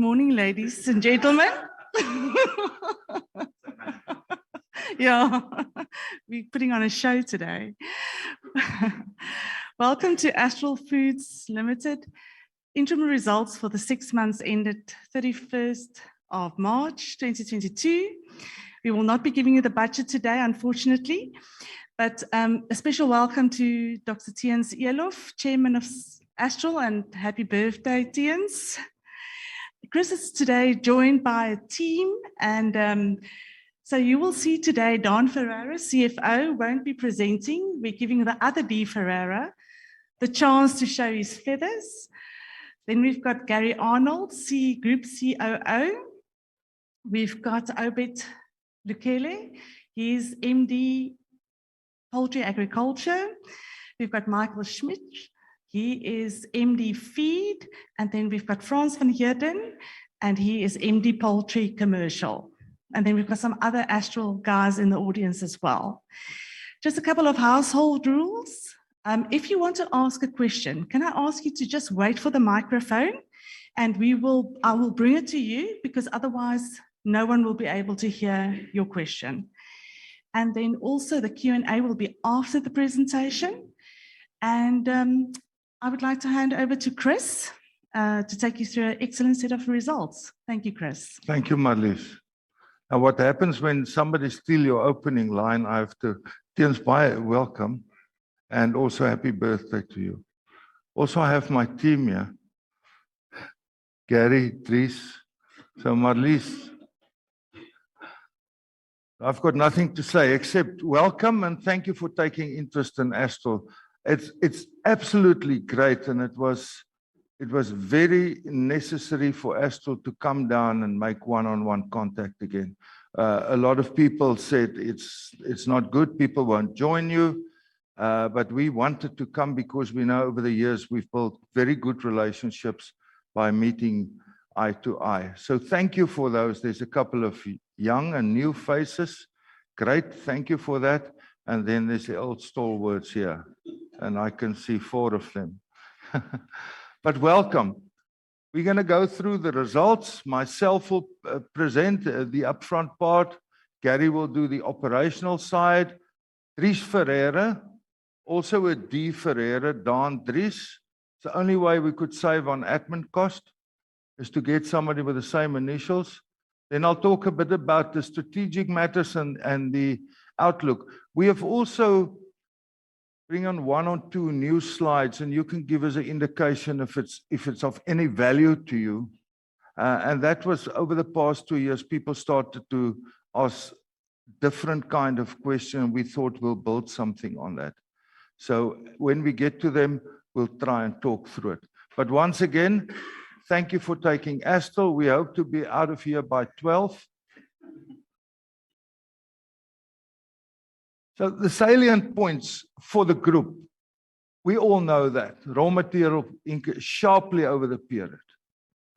Good morning, ladies and gentlemen. Yeah. We putting on a show today. Welcome to Astral Foods Limited. Interim results for the six months ended 31st of March 2022. We will not be giving you the budget today, unfortunately. A special welcome to Dr. Theunis Eloff, Chairman of Astral, and happy birthday, Theuns. Chris is today joined by a team and, so you will see today Dries Ferreira, CFO, won't be presenting. We're giving the other Daan Ferreira the chance to show his feathers. We've got Gary Arnold, Group COO. We've got Obed Lukhele, he's MD Poultry Agriculture. We've got Michael Schmitz, he is MD Feed. We've got Frans van Heerden, and he is MD Poultry Commercial. We've got some other Astral guys in the audience as well. Just a couple of household rules. If you want to ask a question, can I ask you to just wait for the microphone and I will bring it to you because otherwise no one will be able to hear your question. Then also the Q&A will be after the presentation. I would like to hand over to Chris to take you through an excellent set of results. Thank you, Chris. Thank you, Marlize. What happens when somebody steal your opening line, I have to... Theuns, bye. Welcome, and also happy birthday to you. I have my team here, Gary, Dries. Marlize, I've got nothing to say except welcome and thank you for taking interest in Astral. It's absolutely great, and it was very necessary for Astral to come down and make one-on-one contact again. A lot of people said, "It's not good. People won't join you." We wanted to come because we know over the years we've built very good relationships by meeting eye to eye. Thank you for those. There's a couple of young and new faces. Great. Thank you for that. Then there's the old stalwarts here. I can see four of them. Welcome. We're gonna go through the results. Myself will present the upfront part. Gary will do the operational side. Dries Ferreira, also a D. Ferreira, Dan, Dries. It's the only way we could save on admin cost is to get somebody with the same initials. I'll talk a bit about the strategic matters and the outlook. We have also bring on one or two new slides, and you can give us an indication if it's of any value to you. That was over the past two years, people started to ask different kind of question. We thought we'll build something on that. When we get to them, we'll try and talk through it. Once again, thank you for taking Astral. We hope to be out of here by 12:00 P.M. The salient points for the group. We all know that raw materials increased sharply over the period,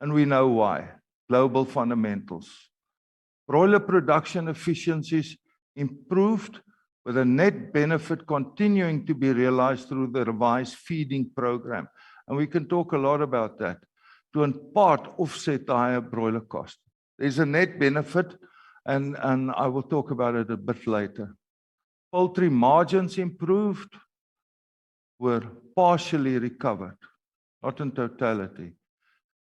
and we know why, global fundamentals. Broiler production efficiencies improved with a net benefit continuing to be realized through the revised feeding program, and we can talk a lot about that, too, in part offset higher broiler cost. There's a net benefit and I will talk about it a bit later. Poultry margins improved but were partially recovered, not in totality.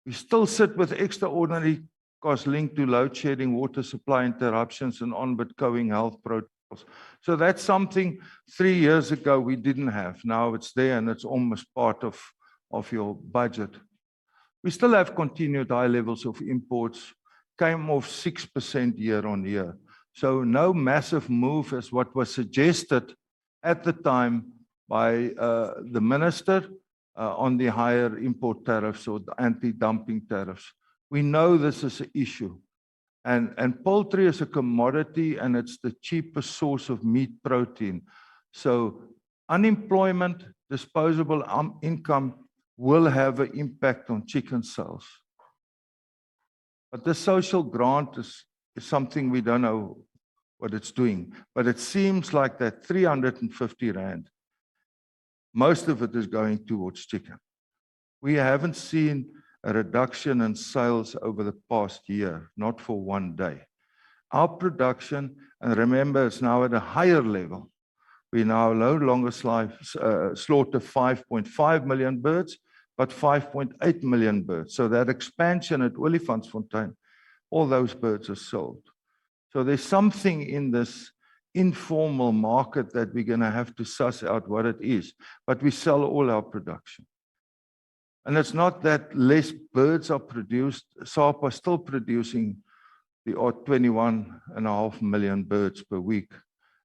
We still sit with extraordinary costs linked to load shedding, water supply interruptions and ongoing health protocols. That's something three years ago we didn't have. Now it's there and it's almost part of your budget. We still have continued high levels of imports, came off 6% year-on-year. No massive move as what was suggested at the time by the minister on the higher import tariffs or the anti-dumping tariffs. We know this is an issue and poultry is a commodity and it's the cheapest source of meat protein. Unemployment, disposable income will have an impact on chicken sales. The social grant is something we don't know what it's doing. It seems like that 350 rand, most of it is going towards chicken. We haven't seen a reduction in sales over the past year, not for one day. Our production, remember, it's now at a higher level. We now no longer slaughter 5.5 million birds, but 5.8 million birds. That expansion at Olifantsfontein, all those birds are sold. There's something in this informal market that we're gonna have to suss out what it is. We sell all our production. It's not that less birds are produced. SAPA are still producing the 21.5 million birds per week,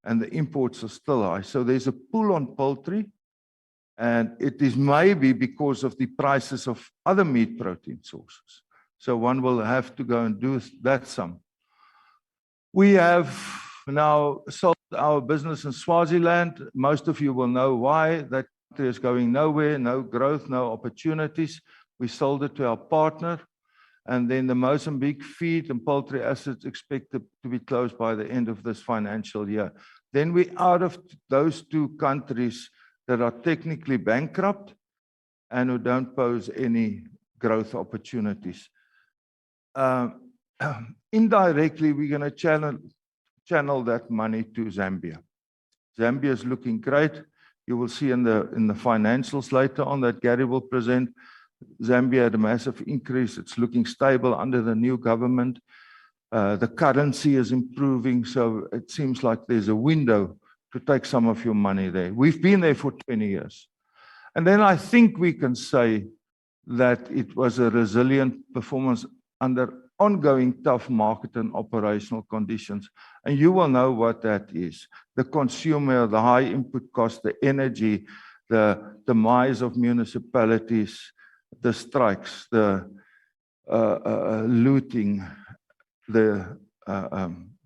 and the imports are still high. There's a pull on poultry, and it is maybe because of the prices of other meat protein sources. One will have to go and do that sum. We have now sold our business in Swaziland. Most of you will know why. That country is going nowhere, no growth, no opportunities. We sold it to our partner. The Mozambique feed and poultry assets expected to be closed by the end of this financial year. Then we're out of those two countries that are technically bankrupt and who don't pose any growth opportunities. Indirectly, we're gonna channel that money to Zambia. Zambia is looking great. You will see in the financials later on that Gary will present. Zambia had a massive increase. It's looking stable under the new government. The currency is improving, so it seems like there's a window to take some of your money there. We've been there for 20 years. I think we can say that it was a resilient performance under ongoing tough market and operational conditions. You will know what that is. The consumer, the high input cost, the energy, the demise of municipalities, the strikes, the looting, the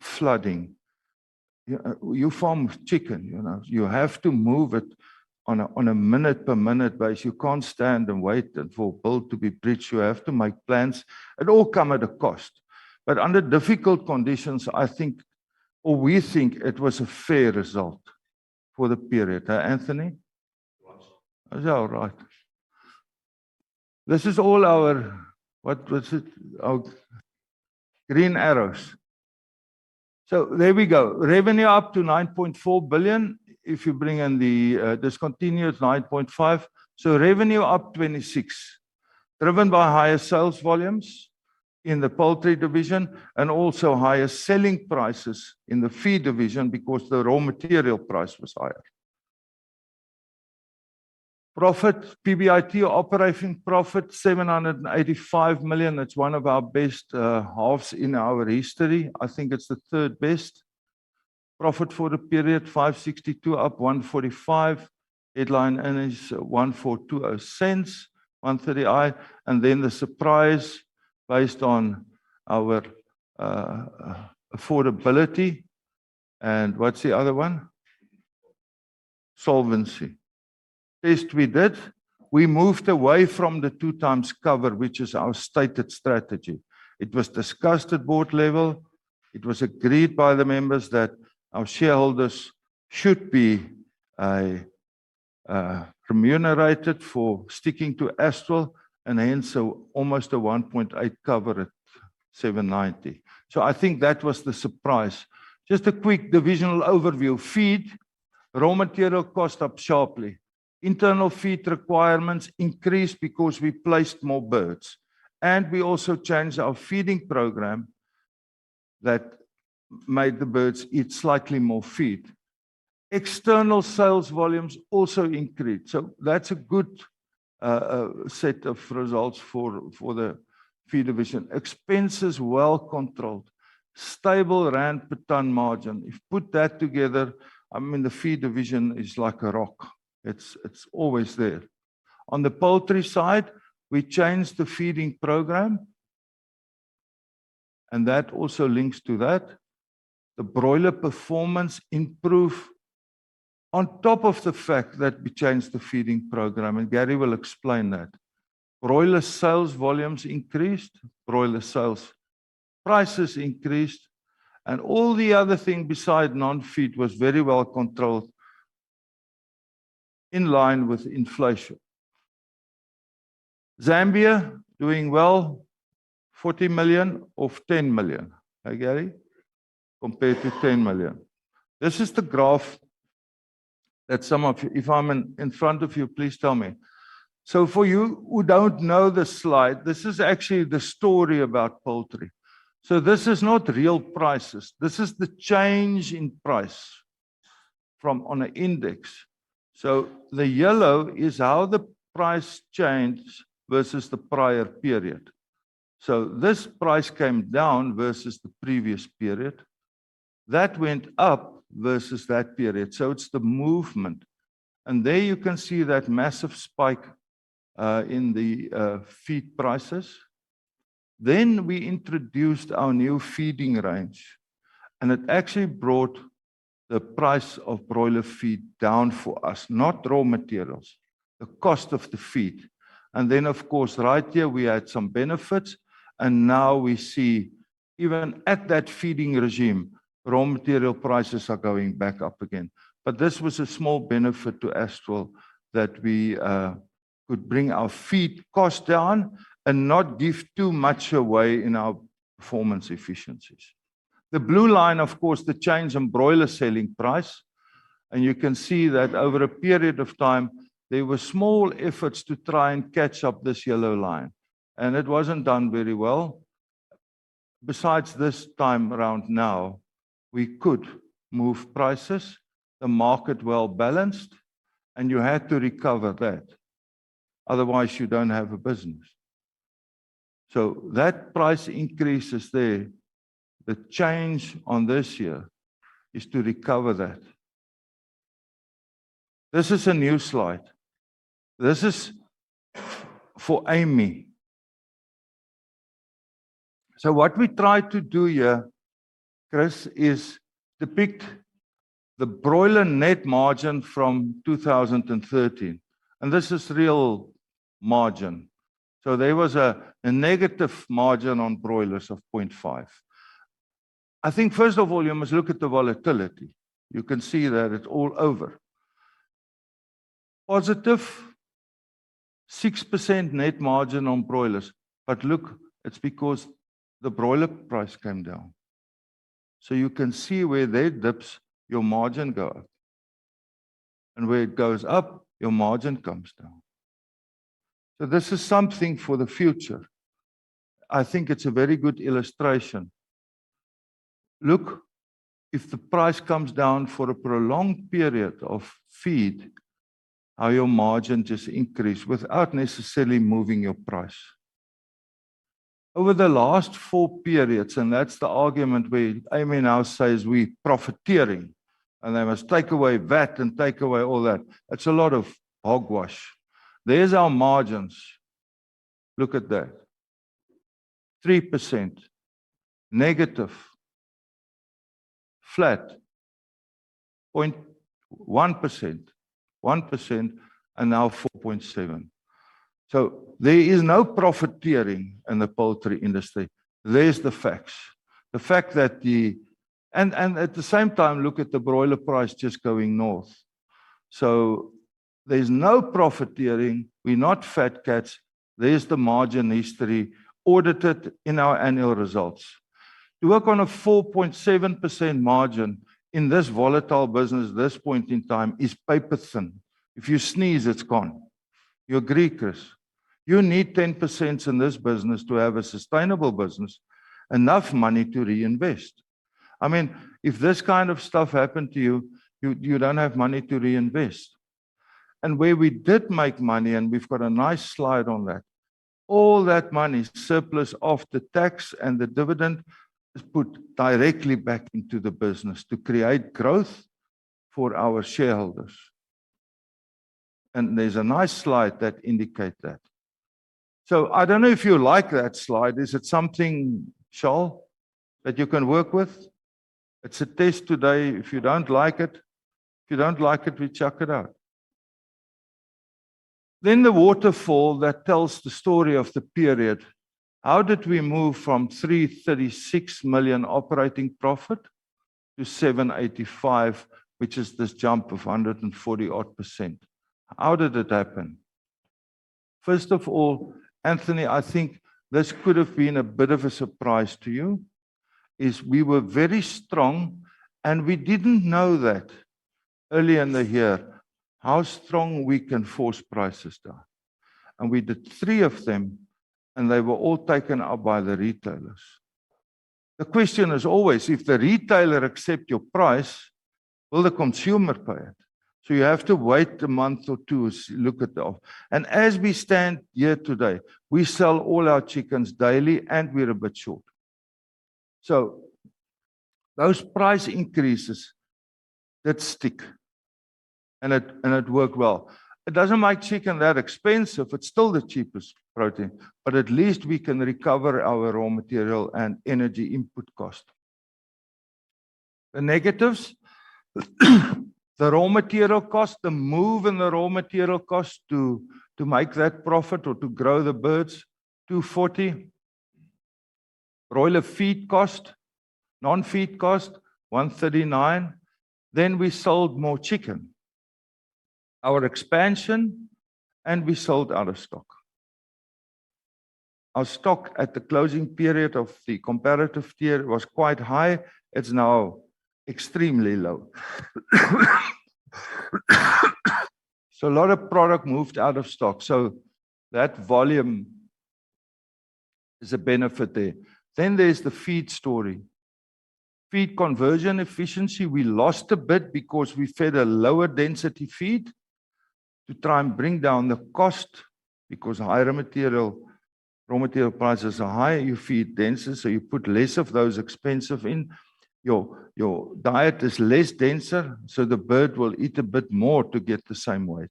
flooding. You farm chicken, you know. You have to move it on a minute-per-minute basis. You can't stand and wait and for bill to be bridged. You have to make plans. It all come at a cost. Under difficult conditions, I think, or we think it was a fair result for the period, huh, Anthony? It was. Is that all right? This is all our green arrows. There we go. Revenue up to 9.4 billion. If you bring in the discontinued 9.5 billion. Revenue up 26%, driven by higher sales volumes in the poultry division and also higher selling prices in the feed division because the raw material price was higher. Profit, PBIT operating profit 785 million. It's one of our best halves in our history. I think it's the third best. Profit for the period 562 up 145. Headline earnings 14.20, 1.30. Then the surprise based on our affordability and what's the other one? Solvency test we did. We moved away from the 2x cover, which is our stated strategy. It was discussed at board level. It was agreed by the members that our shareholders should be remunerated for sticking to Astral and, hence, almost a 1.8 cover at 790. I think that was the surprise. Just a quick divisional overview. Feed, raw material cost up sharply. Internal feed requirements increased because we placed more birds. We also changed our feeding program that made the birds eat slightly more feed. External sales volumes also increased, so that's a good set of results for the feed division. Expenses well controlled. Stable rand per ton margin. If you put that together, I mean, the feed division is like a rock. It's always there. On the poultry side, we changed the feeding program, and that also links to that. The broiler performance improved on top of the fact that we changed the feeding program, and Gary will explain that. Broiler sales volumes increased. Broiler sales prices increased. All the other things besides non-feed was very well controlled in line with inflation. Zambia doing well. 40 million of 10 million. Hey, Gary? Compared to 10 million. This is the graph that some of you. If I'm in front of you, please tell me. For you who don't know this slide, this is actually the story about poultry. This is not real prices. This is the change in price from on an index. The yellow is how the price changed versus the prior period. This price came down versus the previous period. That went up versus that period, so it's the movement. There you can see that massive spike in the feed prices. We introduced our new feeding range, and it actually brought the price of broiler feed down for us. Not raw materials, the cost of the feed. Of course, right here we had some benefits. Now we see even at that feeding regime, raw material prices are going back up again. This was a small benefit to Astral that we could bring our feed cost down, and not give too much away in our performance efficiencies. The blue line, of course, the change in broiler selling price. You can see that over a period of time, there were small efforts to try and catch up this yellow line, and it wasn't done very well. Besides this time around now, we could move prices. The market was well-balanced, and you had to recover that. Otherwise, you don't have a business. That price increase is there. The change on this year is to recover that. This is a new slide. This is for AMIE. What we tried to do here, Chris, is depict the broiler net margin from 2013, and this is real margin. There was a negative margin on broilers of 0.5%. I think first of all you must look at the volatility. You can see that it's all over. Positive 6% net margin on broilers. Look, it's because the broiler price came down. You can see where the dips, your margin go up. Where it goes up, your margin comes down. This is something for the future. I think it's a very good illustration. Look, if the price comes down for a prolonged period of feed, how your margin just increase without necessarily moving your price. Over the last four periods, that's the argument where AMIE now says we're profiteering and they must take away VAT and take away all that. It's a lot of hogwash. There's our margins. Look at that. -3%, flat, 0.1%, 1% and now 4.7%. There is no profiteering in the poultry industry. There's the facts. At the same time, look at the broiler price just going north. There's no profiteering. We're not fat cats. There's the margin history audited in our annual results. To work on a 4.7% margin in this volatile business, this point in time is paper thin. If you sneeze, it's gone. You agree, Chris? You need 10% in this business to have a sustainable business, enough money to reinvest. I mean, if this kind of stuff happened to you don't have money to reinvest. Where we did make money, and we've got a nice slide on that, all that money, surplus of the tax and the dividend is put directly back into the business to create growth for our shareholders. There's a nice slide that indicate that. I don't know if you like that slide. Is it something, Charles, that you can work with? It's a test today. If you don't like it, we chuck it out. The waterfall that tells the story of the period. How did we move from 336 million operating profit to 785 million? Which is this jump of 140-odd percent. How did it happen? First of all, Anthony, I think this could have been a bit of a surprise to you, is we were very strong, and we didn't know that earlier in the year, how strong we can force prices down. We did three of them, and they were all taken up by the retailers. The question is always if the retailer accept your price, will the consumer pay it? You have to wait a month or two and look at that. As we stand here today, we sell all our chickens daily, and we're a bit short. Those price increases that stick, and it worked well. It doesn't make chicken that expensive. It's still the cheapest protein, but at least we can recover our raw material and energy input cost. The negatives, the raw material cost, the move in the raw material cost to make that profit or to grow the birds to 40. Broiler feed cost. Non-feed cost, 139. We sold more chicken. Our expansion, and we sold out of stock. Our stock at the closing period of the comparative year was quite high. It's now extremely low. A lot of product moved out of stock. That volume is a benefit there. There's the feed story. Feed conversion efficiency, we lost a bit because we fed a lower density feed to try and bring down the cost, because higher material, raw material prices are high, you feed denser, so you put less of those expensive in. Your diet is less denser, so the bird will eat a bit more to get the same weight.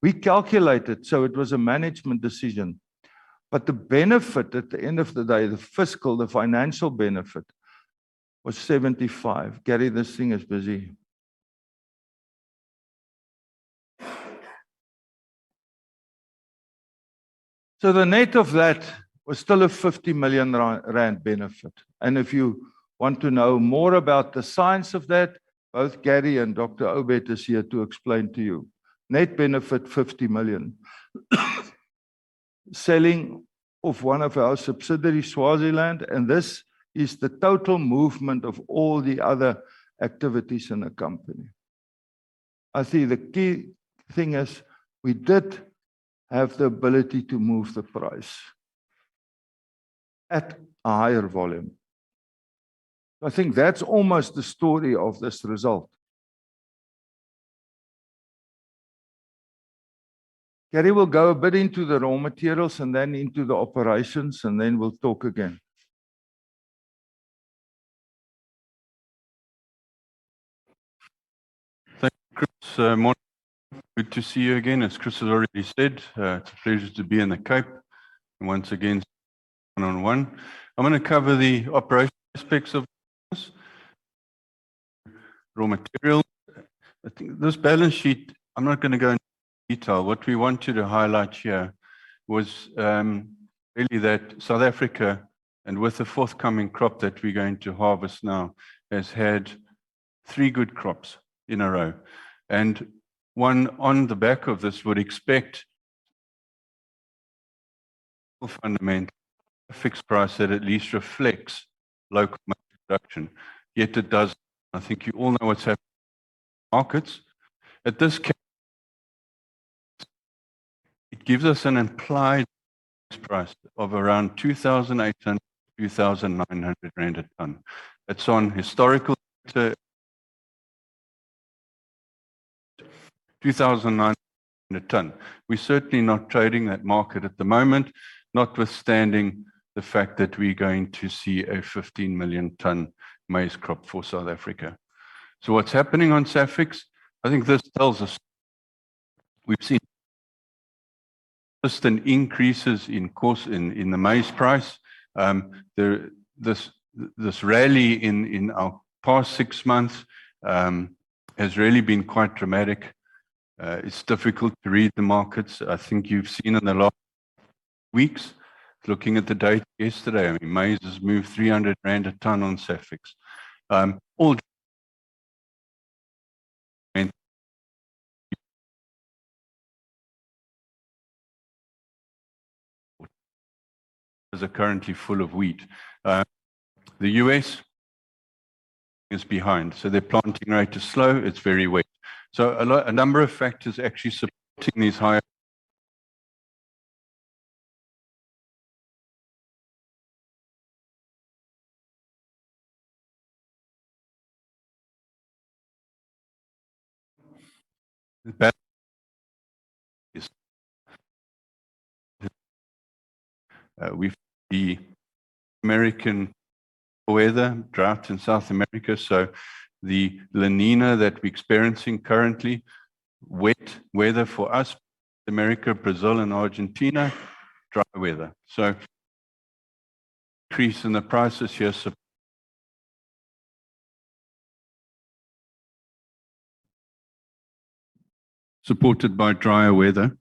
We calculate it, so it was a management decision. The benefit at the end of the day, the fiscal, the financial benefit was 75 million. Gary, this thing is busy. The net of that was still a 50 million rand benefit. If you want to know more about the science of that, both Gary and Dr. Obed Lukhele is here to explain to you. Net benefit, 50 million. Selling of one of our subsidiaries, Swaziland, and this is the total movement of all the other activities in the company. I see the key thing is we did have the ability to move the price at a higher volume. I think that's almost the story of this result. Gary will go a bit into the raw materials and then into the operations, and then we'll talk again. Thank you, Chris. Morning. Good to see you again. As Chris has already said, it's a pleasure to be in the Cape and once again one on one. I'm gonna cover the operational aspects of this. Raw material. I think this balance sheet, I'm not gonna go into detail. What we wanted to highlight here was really that South Africa, and with the forthcoming crop that we're going to harvest now, has had three good crops in a row. Anyone on the back of this would expect fundamental fixed price that at least reflects local production, yet it does. I think you all know what's happening in markets. It gives us an implied price of around 2,800-2,900 rand a ton. That's on historical data. ZAR 2,900 ton. We're certainly not trading that market at the moment, notwithstanding the fact that we're going to see a 15 million ton maize crop for South Africa. What's happening on Safex? I think this tells us we've seen constant increases in cost in the maize price. This rally in our past six months has really been quite dramatic. It's difficult to read the markets. I think you've seen in the last weeks looking at the data yesterday, I mean, maize has moved 300 rand a ton on Safex. All are currently full of wheat. The U.S. is behind, so their planting rate is slow. It's very wet. A number of factors actually supporting these high. With the American weather, drought in South America, the La Niña that we're experiencing currently, wet weather for us, America, Brazil and Argentina, dry weather. Increase in the prices here supported by drier weather.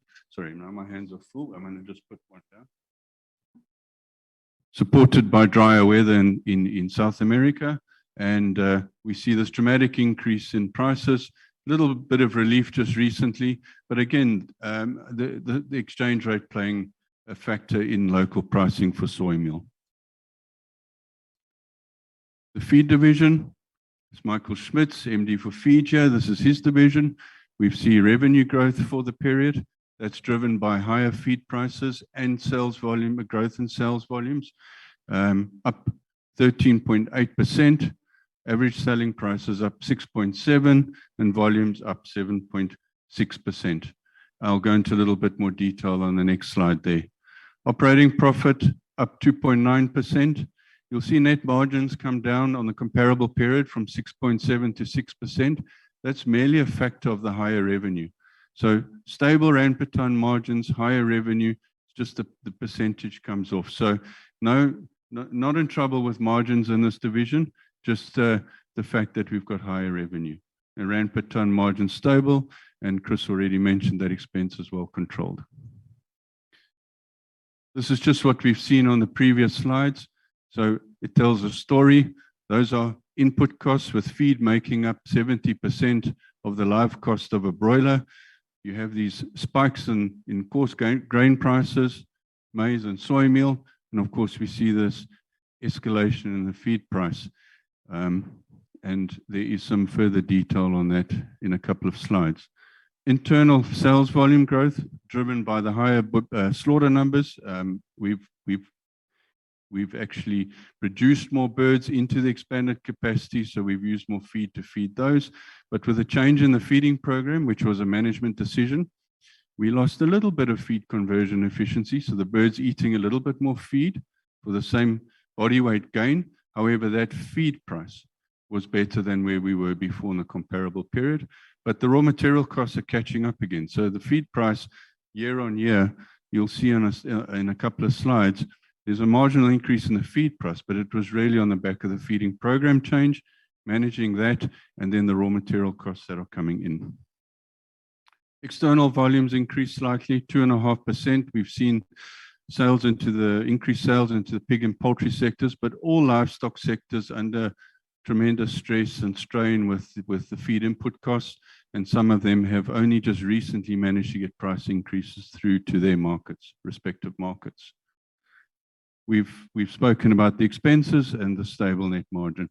Supported by drier weather in South America and we see this dramatic increase in prices. Little bit of relief just recently, but again, the exchange rate playing a factor in local pricing for soy meal. The feed division is Michael Schmitz, MD for Feed. This is his division. We've seen revenue growth for the period that's driven by higher feed prices and sales volume growth in sales volumes, up 13.8%. Average selling price is up 6.7%, and volume's up 7.6%. I'll go into a little bit more detail on the next slide there. Operating profit up 2.9%. You'll see net margins come down on the comparable period from 6.7% to 6%. That's merely a factor of the higher revenue. Stable rand per ton margins, higher revenue, just the percentage comes off. No, not in trouble with margins in this division, just the fact that we've got higher revenue. The rand per ton margin's stable, and Chris already mentioned that expense is well controlled. This is just what we've seen on the previous slides, so it tells a story. Those are input costs with feed making up 70% of the live cost of a broiler. You have these spikes in coarse grain prices, maize, and soy meal, and of course, we see this escalation in the feed price. There is some further detail on that in a couple of slides. Internal sales volume growth driven by the higher slaughter numbers. We've actually reduced more birds into the expanded capacity, so we've used more feed to feed those. With a change in the feeding program, which was a management decision, we lost a little bit of feed conversion efficiency, so the birds eating a little bit more feed for the same body weight gain. However, that feed price was better than where we were before in the comparable period. The raw material costs are catching up again. The feed price year-on-year, you'll see in a couple of slides, there's a marginal increase in the feed price, but it was really on the back of the feeding program change, managing that, and then the raw material costs that are coming in. External volumes increased slightly 2.5%. We've seen increased sales into the pig and poultry sectors, but all livestock sectors under tremendous stress and strain with the feed input costs, and some of them have only just recently managed to get price increases through to their respective markets. We've spoken about the expenses and the stable net margin.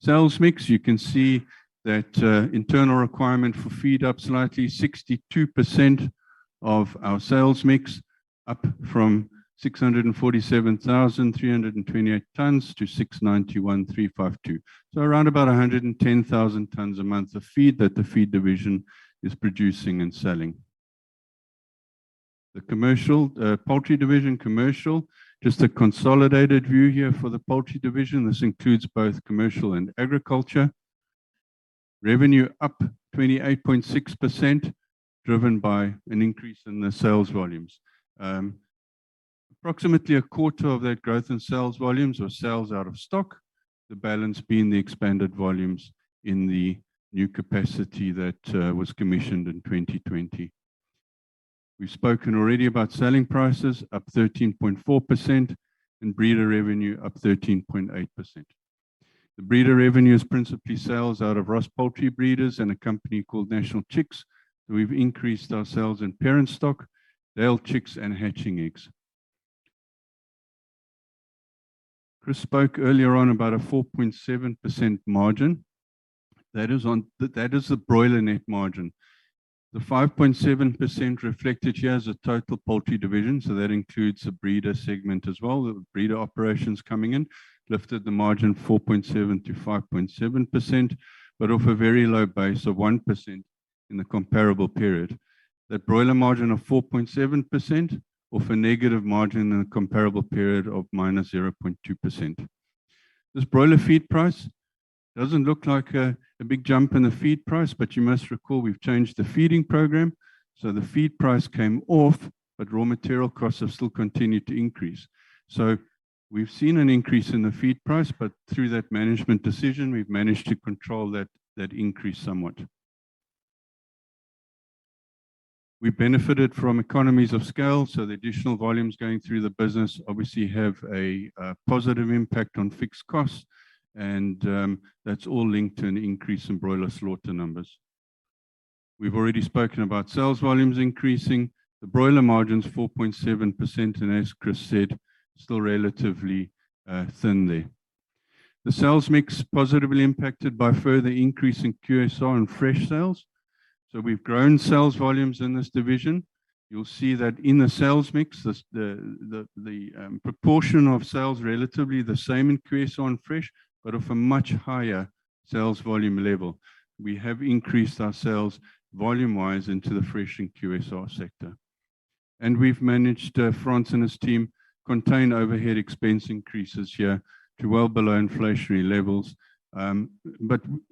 Sales mix, you can see that, internal requirement for feed up slightly 62% of our sales mix up from 647,328 tons to 691,352 tons. Around about 110,000 tons a month of feed that the feed division is producing and selling. The commercial poultry division, just a consolidated view here for the poultry division. This includes both commercial and agriculture. Revenue up 28.6%, driven by an increase in the sales volumes. Approximately a quarter of that growth in sales volumes or sales out of stock, the balance being the expanded volumes in the new capacity that was commissioned in 2020. We've spoken already about selling prices up 13.4% and breeder revenue up 13.8%. The breeder revenue is principally sales out of Ross Poultry Breeders and a company called National Chicks. We've increased our sales in parent stock, male chicks, and hatching eggs. Chris spoke earlier on about a 4.7% margin. That is the broiler net margin. The 5.7% reflected here is the total poultry division, so that includes the breeder segment as well. The breeder operations coming in lifted the margin 4.7%-5.7%, but off a very low base of 1% in the comparable period. That broiler margin of 4.7% off a negative margin in the comparable period of -0.2%. This broiler feed price doesn't look like a big jump in the feed price, but you must recall we've changed the feeding program. The feed price came off, but raw material costs have still continued to increase. We've seen an increase in the feed price, but through that management decision, we've managed to control that increase somewhat. We benefited from economies of scale, so the additional volumes going through the business obviously have a positive impact on fixed costs and, that's all linked to an increase in broiler slaughter numbers. We've already spoken about sales volumes increasing. The broiler margin's 4.7%, and as Chris said, still relatively thin there. The sales mix positively impacted by further increase in QSR and fresh sales. We've grown sales volumes in this division. You'll see that in the sales mix, the proportion of sales relatively the same in QSR and fresh, but of a much higher sales volume level. We have increased our sales volume-wise into the fresh and QSR sector. We've managed, Frans and his team contain overhead expense increases here to well below inflationary levels.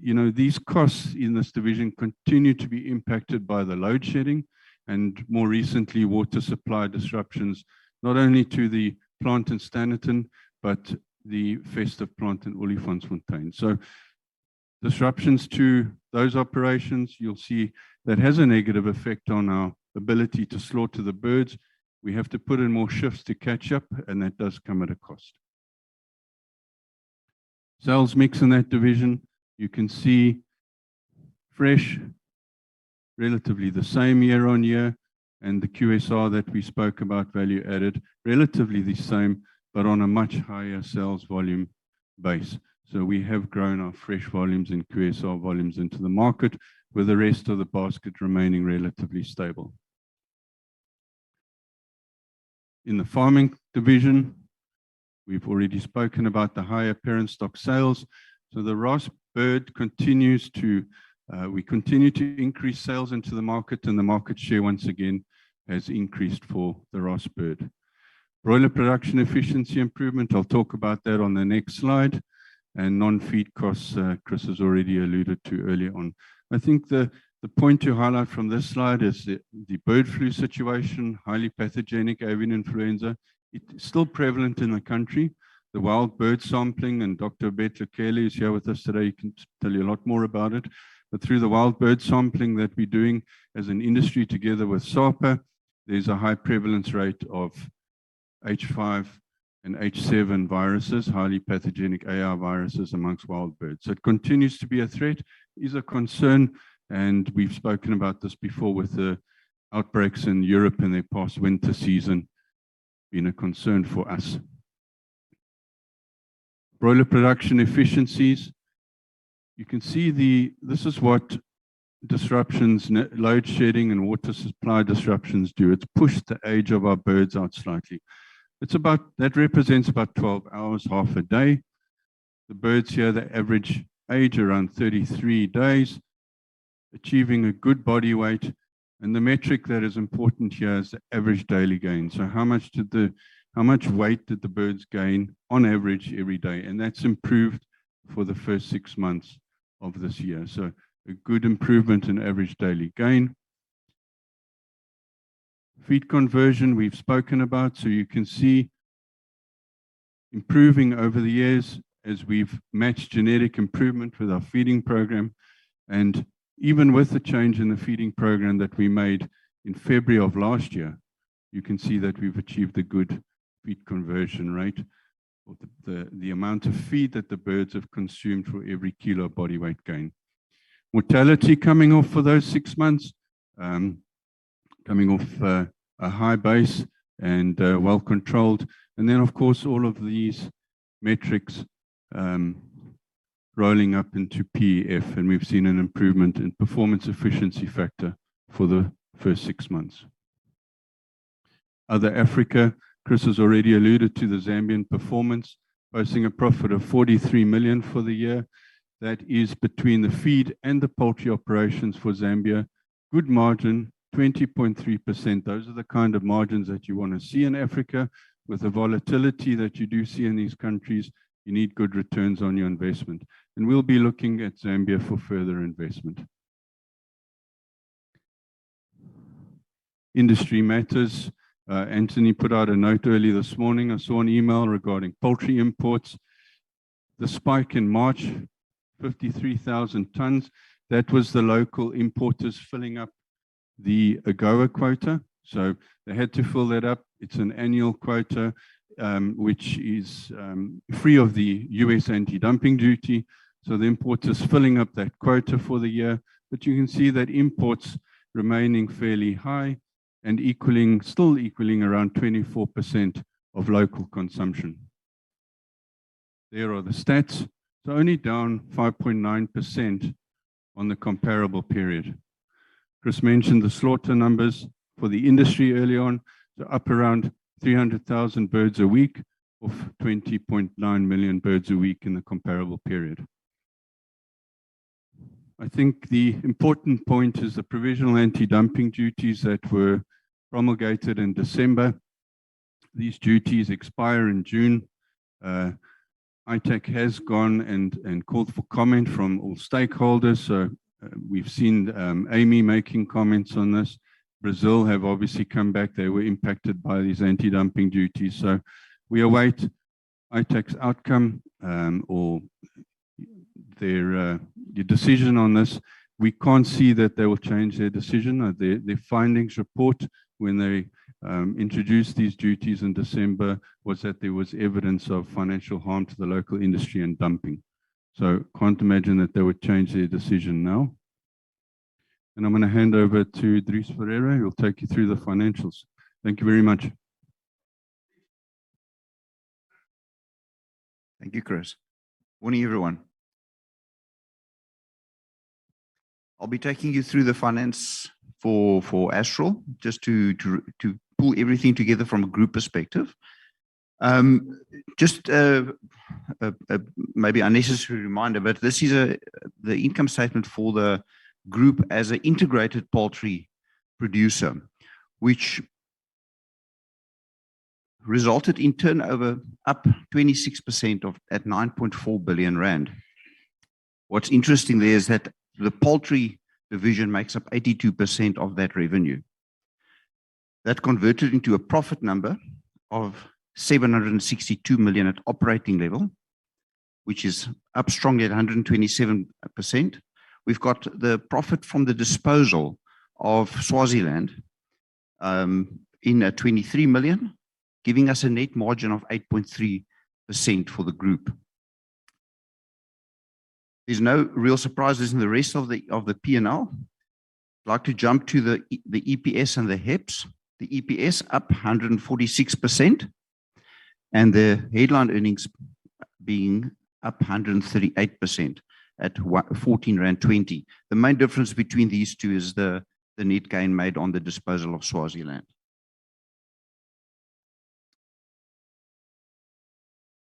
You know, these costs in this division continue to be impacted by the load shedding and more recently, water supply disruptions, not only to the plant in Standerton, but the Festive plant in Olifantsfontein. Disruptions to those operations, you'll see that has a negative effect on our ability to slaughter the birds. We have to put in more shifts to catch up, and that does come at a cost. Sales mix in that division, you can see fresh relatively the same year-on-year, and the QSR that we spoke about, value added, relatively the same, but on a much higher sales volume base. We have grown our fresh volumes and QSR volumes into the market, with the rest of the basket remaining relatively stable. In the farming division, we've already spoken about the higher parent stock sales. The Ross bird, we continue to increase sales into the market, and the market share once again has increased for the Ross bird. Broiler production efficiency improvement, I'll talk about that on the next slide. Non-feed costs, Chris has already alluded to earlier on. I think the point to highlight from this slide is the bird flu situation, highly pathogenic avian influenza. It is still prevalent in the country. The wild bird sampling, and Dr. Petra Keller is here with us today. He can tell you a lot more about it. Through the wild bird sampling that we're doing as an industry together with SAPA, there's a high prevalence rate of H5 and H7 viruses, highly pathogenic AI viruses amongst wild birds. It continues to be a threat, is a concern, and we've spoken about this before with the outbreaks in Europe in their past winter season, been a concern for us. Broiler production efficiencies. This is what disruptions, load shedding and water supply disruptions do. It's pushed the age of our birds out slightly. That represents about 12 hours, half a day. The birds here, the average age around 33 days, achieving a good body weight. The metric that is important here is the average daily gain. How much weight did the birds gain on average every day? That's improved for the first six months of this year. A good improvement in average daily gain. Feed conversion, we've spoken about. You can see improving over the years as we've matched genetic improvement with our feeding program. Even with the change in the feeding program that we made in February of last year, you can see that we've achieved a good feed conversion rate. The amount of feed that the birds have consumed for every kilo of body weight gain. Mortality coming off for those six months, coming off a high base and well controlled. Then, of course, all of these metrics rolling up into PEF, and we've seen an improvement in performance efficiency factor for the first six months. Other Africa. Chris has already alluded to the Zambian performance, posting a profit of 43 million for the year. That is between the feed and the poultry operations for Zambia. Good margin, 20.3%. Those are the kind of margins that you wanna see in Africa. With the volatility that you do see in these countries, you need good returns on your investment, and we'll be looking at Zambia for further investment. Industry matters. Anthony put out a note early this morning. I saw an email regarding poultry imports. The spike in March, 53,000 tons. That was the local importers filling up the AGOA quota, so they had to fill that up. It's an annual quota, which is free of the U.S. anti-dumping duty. So the import is filling up that quota for the year. But you can see that imports remaining fairly high and still equaling around 24% of local consumption. There are the stats. Only down 5.9% on the comparable period. Chris mentioned the slaughter numbers for the industry early on. They're up around 300,000 birds a week of 20.9 million birds a week in the comparable period. I think the important point is the provisional anti-dumping duties that were promulgated in December. These duties expire in June. ITAC has gone and called for comment from all stakeholders. We've seen AMIE making comments on this. Brazil have obviously come back. They were impacted by these anti-dumping duties. We await ITAC's outcome, or their decision on this. We can't see that they will change their decision. Their findings report when they introduced these duties in December was that there was evidence of financial harm to the local industry and dumping. Can't imagine that they would change their decision now. I'm gonna hand over to Dries Ferreira, who'll take you through the financials. Thank you very much. Thank you, Chris. Morning, everyone. I'll be taking you through the finance for Astral just to pull everything together from a group perspective. Just a maybe unnecessary reminder, but this is the income statement for the group as an integrated poultry producer, which resulted in turnover up 26% at 9.4 billion rand. What's interesting there is that the poultry division makes up 82% of that revenue. That converted into a profit number of 762 million at operating level, which is up strongly at 127%. We've got the profit from the disposal of Swaziland in at 23 million, giving us a net margin of 8.3% for the group. There's no real surprises in the rest of the P&L. I'd like to jump to the EPS and the HEPS. The EPS up 146%, and the headline earnings being up 138% at 14.20 rand. The main difference between these two is the net gain made on the disposal of Swaziland.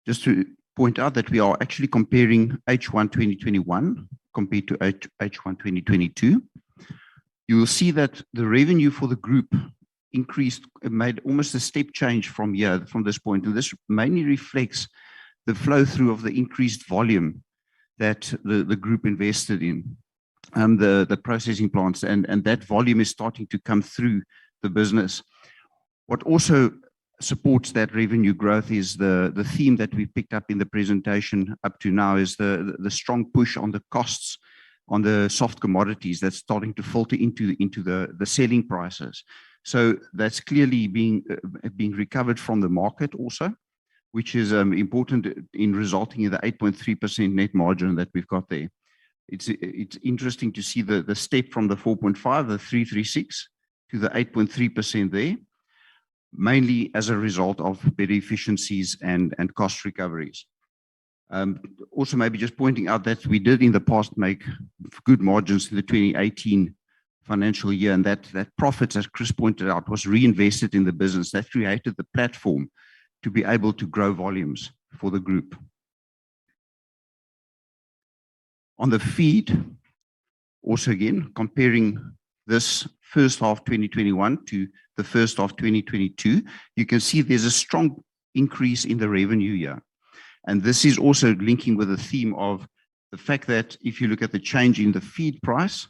Just to point out that we are actually comparing H1 2021 compared to H1 2022. You will see that the revenue for the group increased. It made almost a step change from here, from this point, and this mainly reflects the flow-through of the increased volume that the group invested in, the processing plants and that volume is starting to come through the business. What also supports that revenue growth is the theme that we picked up in the presentation up to now is the strong push on the costs on the soft commodities that's starting to filter into the selling prices. That's clearly being recovered from the market also, which is important in resulting in the 8.3% net margin that we've got there. It's interesting to see the step from the 4.5%, the 3.36% to the 8.3% there, mainly as a result of better efficiencies and cost recoveries. Also maybe just pointing out that we did in the past make good margins in the 2018 financial year, and that profit, as Chris pointed out, was reinvested in the business. That created the platform to be able to grow volumes for the group. On the feed, also again, comparing this first half 2021 to the first half 2022, you can see there's a strong increase in the revenue here, and this is also linking with the theme of the fact that if you look at the change in the feed price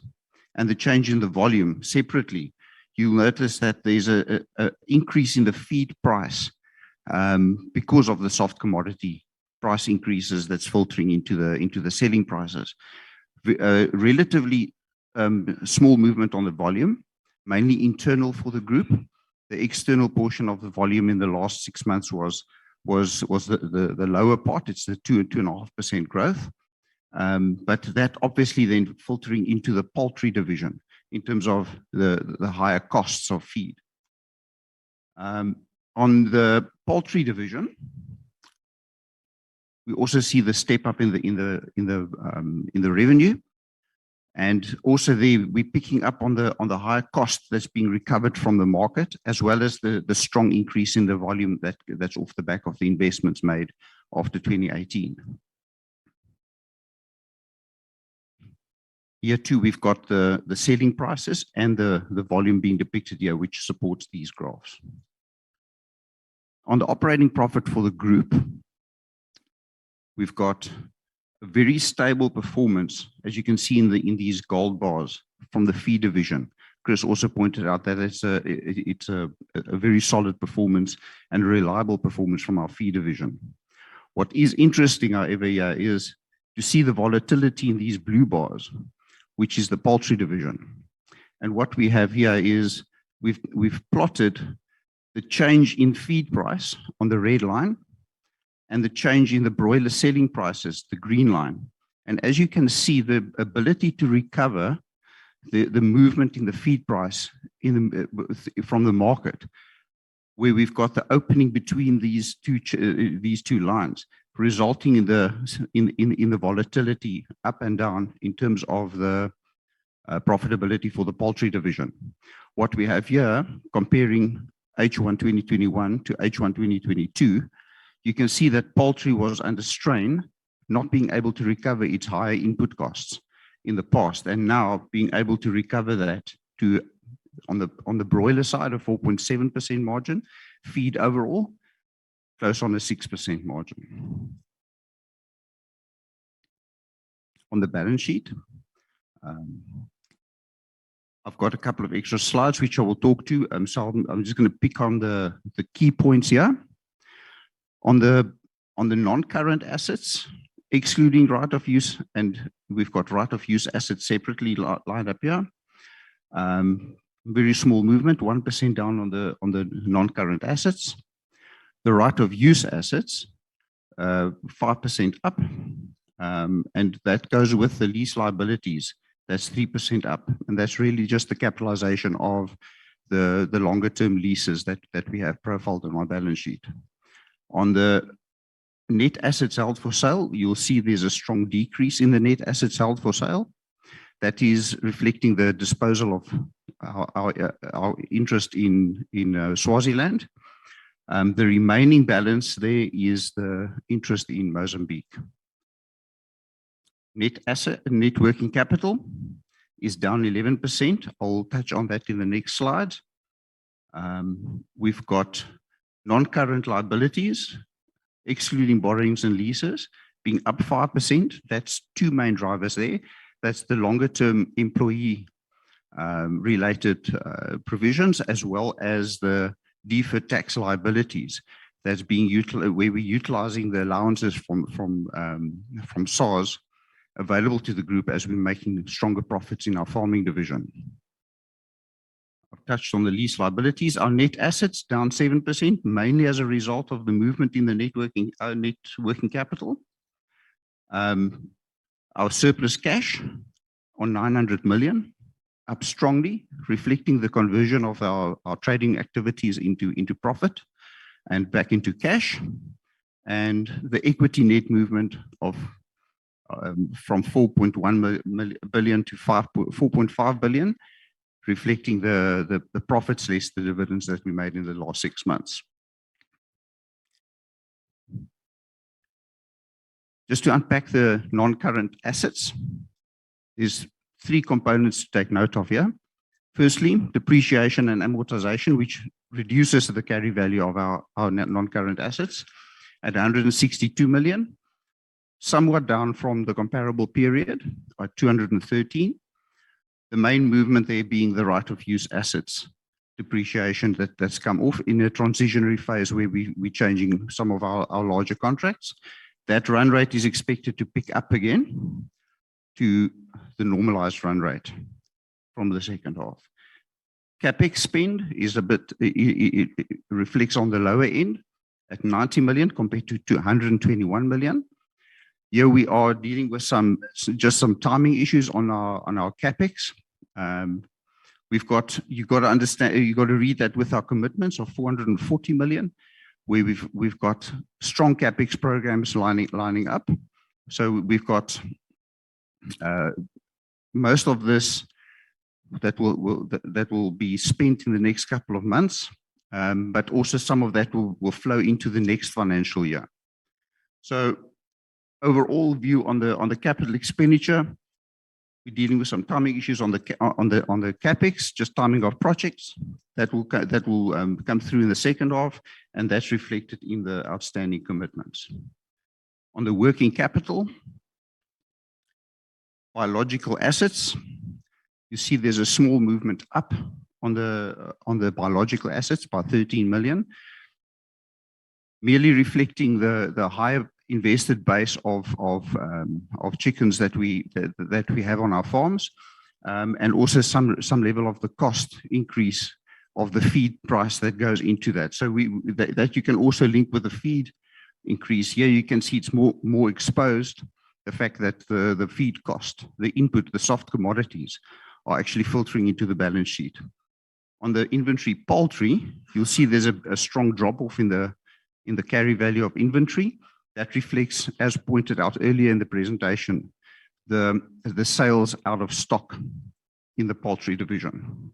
and the change in the volume separately, you'll notice that there's an increase in the feed price because of the soft commodity price increases that's filtering into the selling prices. Relatively small movement on the volume, mainly internal for the group. The external portion of the volume in the last six months was the lower part. It's 2.5% growth. That obviously then filtering into the poultry division in terms of the higher costs of feed. On the poultry division, we also see the step-up in the revenue. We're picking up on the higher cost that's been recovered from the market, as well as the strong increase in the volume that's off the back of the investments made after 2018. Here, too, we've got the selling prices and the volume being depicted here, which supports these graphs. On the operating profit for the group, we've got a very stable performance, as you can see in these gold bars from the feed division. Chris also pointed out that it's a very solid performance and reliable performance from our feed division. What is interesting, however, here is you see the volatility in these blue bars, which is the poultry division. What we have here is we've plotted the change in feed price on the red line and the change in the broiler selling prices, the green line. As you can see, the ability to recover the movement in the feed price from the market, where we've got the opening between these two lines resulting in the volatility up and down in terms of the profitability for the poultry division. What we have here, comparing H1 2021 to H1 2022, you can see that poultry was under strain, not being able to recover its higher input costs in the past, and now being able to recover that to, on the broiler side of 4.7% margin, feed overall, close on a 6% margin. On the balance sheet, I've got a couple of extra slides which I will talk to. I'm just gonna pick on the key points here. On the non-current assets, excluding right of use, and we've got right of use assets separately lined up here. Very small movement, 1% down on the non-current assets. The right of use assets, 5% up, and that goes with the lease liabilities. That's 3% up, and that's really just the capitalization of the longer-term leases that we have profiled on our balance sheet. On the net assets held for sale, you'll see there's a strong decrease in the net assets held for sale. That is reflecting the disposal of our interest in Swaziland. The remaining balance there is the interest in Mozambique. Net working capital is down 11%. I'll touch on that in the next slide. We've got non-current liabilities, excluding borrowings and leases, being up 5%. That's two main drivers there. That's the longer-term employee related provisions, as well as the deferred tax liabilities that's being where we're utilizing the allowances from SARS available to the group as we're making stronger profits in our farming division. I've touched on the lease liabilities. Our net assets down 7%, mainly as a result of the movement in the net working, our net working capital. Our surplus cash of 900 million, up strongly reflecting the conversion of our trading activities into profit and back into cash. The equity net movement of, from 4.1 billion to 4.5 billion, reflecting the profits less the dividends that we made in the last six months. Just to unpack the non-current assets, there's three components to take note of here. Firstly, depreciation and amortization, which reduces the carry value of our net non-current assets at 162 million. Somewhat down from the comparable period by 213 million. The main movement there being the right of use assets. Depreciation that's come off in a transitional phase where we're changing some of our larger contracts. That run rate is expected to pick up again to the normalized run rate from the second half. CapEx spend is a bit, it reflects on the lower end at 90 million compared to 221 million. Here we are dealing with some just some timing issues on our CapEx. We've got. You've got to understand. You've got to read that with our commitments of 440 million, where we've got strong CapEx programs lining up. We've got most of this that will be spent in the next couple of months, but also some of that will flow into the next financial year. Overall view on the capital expenditure, we're dealing with some timing issues on the CapEx, just timing of projects that will come through in the second half, and that's reflected in the outstanding commitments. On the working capital. Biological assets. You see there's a small movement up on the biological assets by 13 million, merely reflecting the higher invested base of chickens that we have on our farms, and also some level of the cost increase of the feed price that goes into that. That you can also link with the feed increase. Here you can see it's more exposed, the fact that the feed cost, the input, the soft commodities are actually filtering into the balance sheet. On the poultry inventory, you'll see there's a strong drop-off in the carrying value of inventory. That reflects, as pointed out earlier in the presentation, the sales out of stock in the poultry division.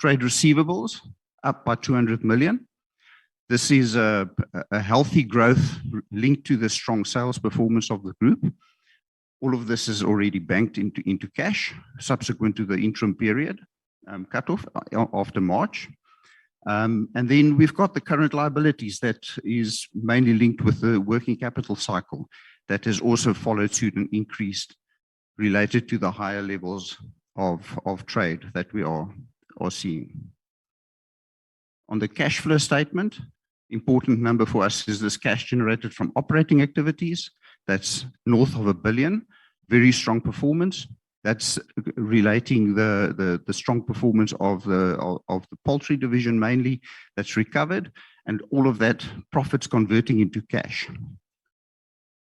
Trade receivables up by 200 million. This is a healthy growth linked to the strong sales performance of the group. All of this is already banked into cash subsequent to the interim period cutoff after March. We've got the current liabilities that is mainly linked with the working capital cycle that has also followed suit and increased related to the higher levels of trade that we are seeing. On the cash flow statement, important number for us is this cash generated from operating activities. That's north of 1 billion. Very strong performance. That's relating the strong performance of the poultry division mainly that's recovered, and all of that profits converting into cash.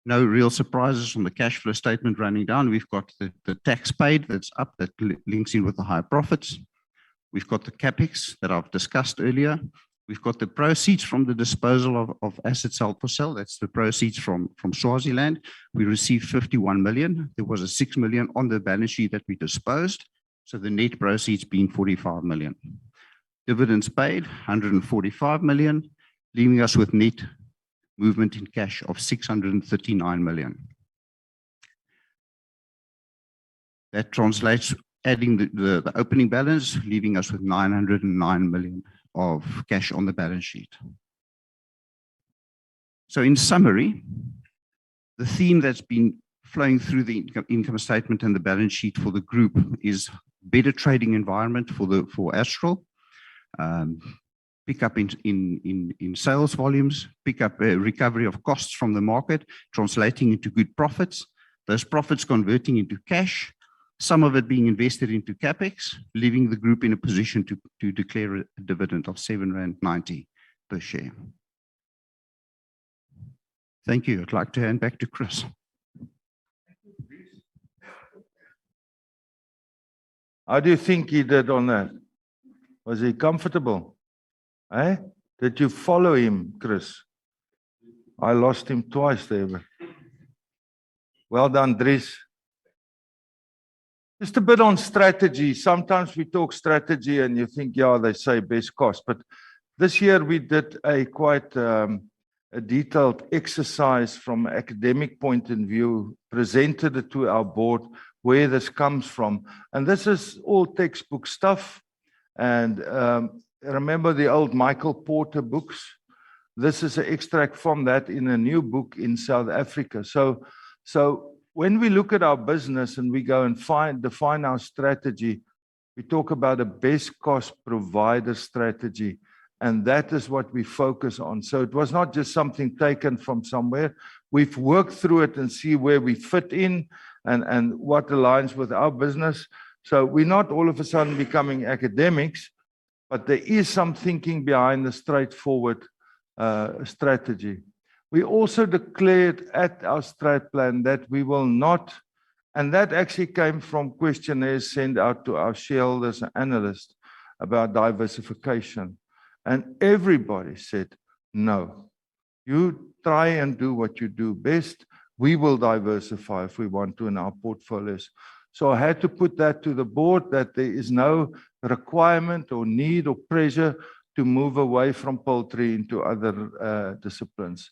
No real surprises from the cash flow statement running down. We've got the tax paid that's up, that links in with the high profits. We've got the CapEx that I've discussed earlier. We've got the proceeds from the disposal of assets held for sale. That's the proceeds from Swaziland. We received 51 million. There was 6 million on the balance sheet that we disposed, so the net proceeds being 45 million. Dividends paid 145 million, leaving us with net movement in cash of 639 million. That translates adding the opening balance, leaving us with 909 million of cash on the balance sheet. In summary, the theme that's been flowing through the income statement and the balance sheet for the group is better trading environment for Astral. Pick up in sales volumes, pick up a recovery of costs from the market, translating into good profits. Those profits converting into cash, some of it being invested into CapEx, leaving the group in a position to declare a dividend of 7.90 rand per share. Thank you. I'd like to hand back to Chris. How do you think he did on that? Was he comfortable? Huh? Did you follow him, Chris? I lost him twice there, but well done, Dries. Just a bit on strategy. Sometimes we talk strategy, and you think, "Yeah, they say best cost." But this year we did a quite a detailed exercise from academic point of view, presented it to our board where this comes from, and this is all textbook stuff. Remember the old Michael Porter books? This is an extract from that in a new book in South Africa. When we look at our business and we go and define our strategy, we talk about a best cost provider strategy, and that is what we focus on. It was not just something taken from somewhere. We've worked through it and see where we fit in and what aligns with our business. We're not all of a sudden becoming academics, but there is some thinking behind the straightforward strategy. We also declared at our strategic plan that we will not. That actually came from questionnaires sent out to our shareholders and analysts about diversification. Everybody said, "No. You try and do what you do best. We will diversify if we want to in our portfolios." I had to put that to the board that there is no requirement or need or pressure to move away from poultry into other disciplines.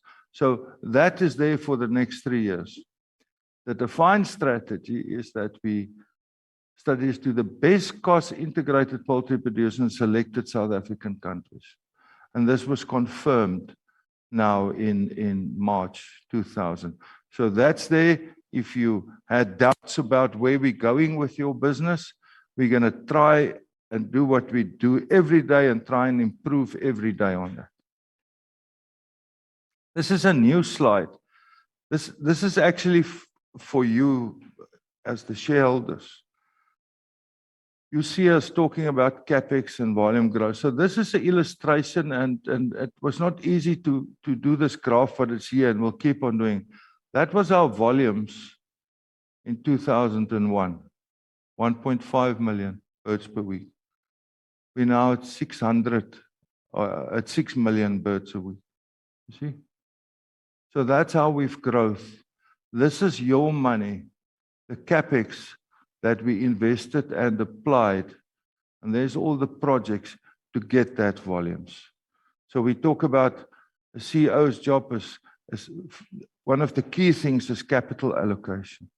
That is there for the next three years. The defined strategy is that we strive to be the lowest-cost integrated poultry producer in selected South African countries, and this was confirmed now in March 2000. That's there. If you had doubts about where we're going with your business, we're gonna try and do what we do every day and try and improve every day on that. This is a new slide. This is actually for you as the shareholders. You see us talking about CapEx and volume growth. This is an illustration and it was not easy to do this graph that is here, and we'll keep on doing. That was our volumes in 2001. 1.5 million birds per week. We're now at six million birds a week. You see? That's how we've grown. This is your money, the CapEx that we invested and applied, and there's all the projects to get that volumes. We talk about a CEO's job as one of the key things is capital allocation.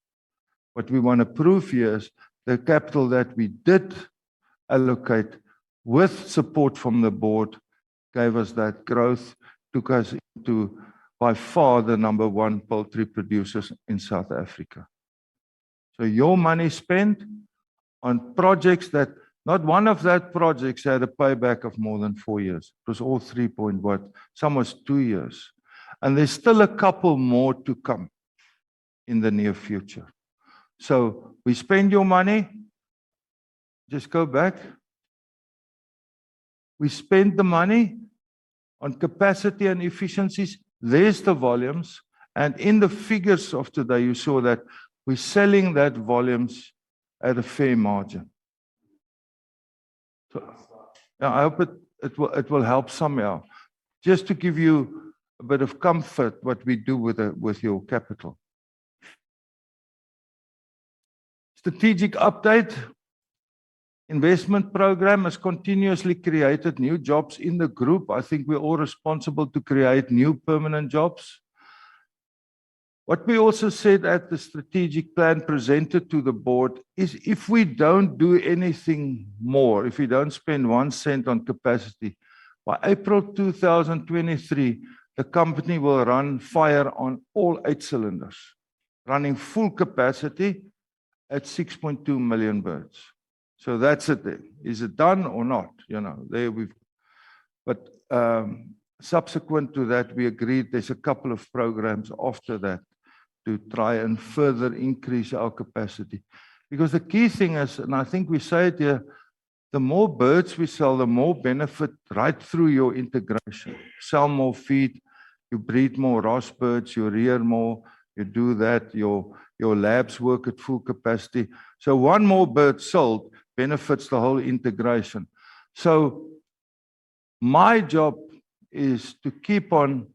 What we wanna prove here is the capital that we did allocate with support from the board gave us that growth, took us into by far the number one poultry producers in South Africa. Your money spent on projects that, not one of that projects had a payback of more than four years. It was all three point what? Some was two years. There's still a couple more to come in the near future. We spend your money. Just go back. We spent the money on capacity and efficiencies. There's the volumes, and in the figures of today you saw that we're selling that volumes at a fair margin. That's that. Now, I hope it will help somehow. Just to give you a bit of comfort what we do with your capital. Strategic update. Investment program has continuously created new jobs in the group. I think we're all responsible to create new permanent jobs. What we also said at the strategic plan presented to the board is if we don't do anything more, if we don't spend one cent on capacity, by April 2023, the company will run fire on all eight cylinders. Running full capacity at 6.2 million birds. So that's it there. Is it done or not? You know, subsequent to that we agreed there's a couple of programs after that to try and further increase our capacity. Because the key thing is, and I think we said here, the more birds we sell, the more benefit right through your integration. Sell more feed, you breed more broiler birds, you rear more, you do that, your labs work at full capacity. One more bird sold benefits the whole integration. My job is to keep on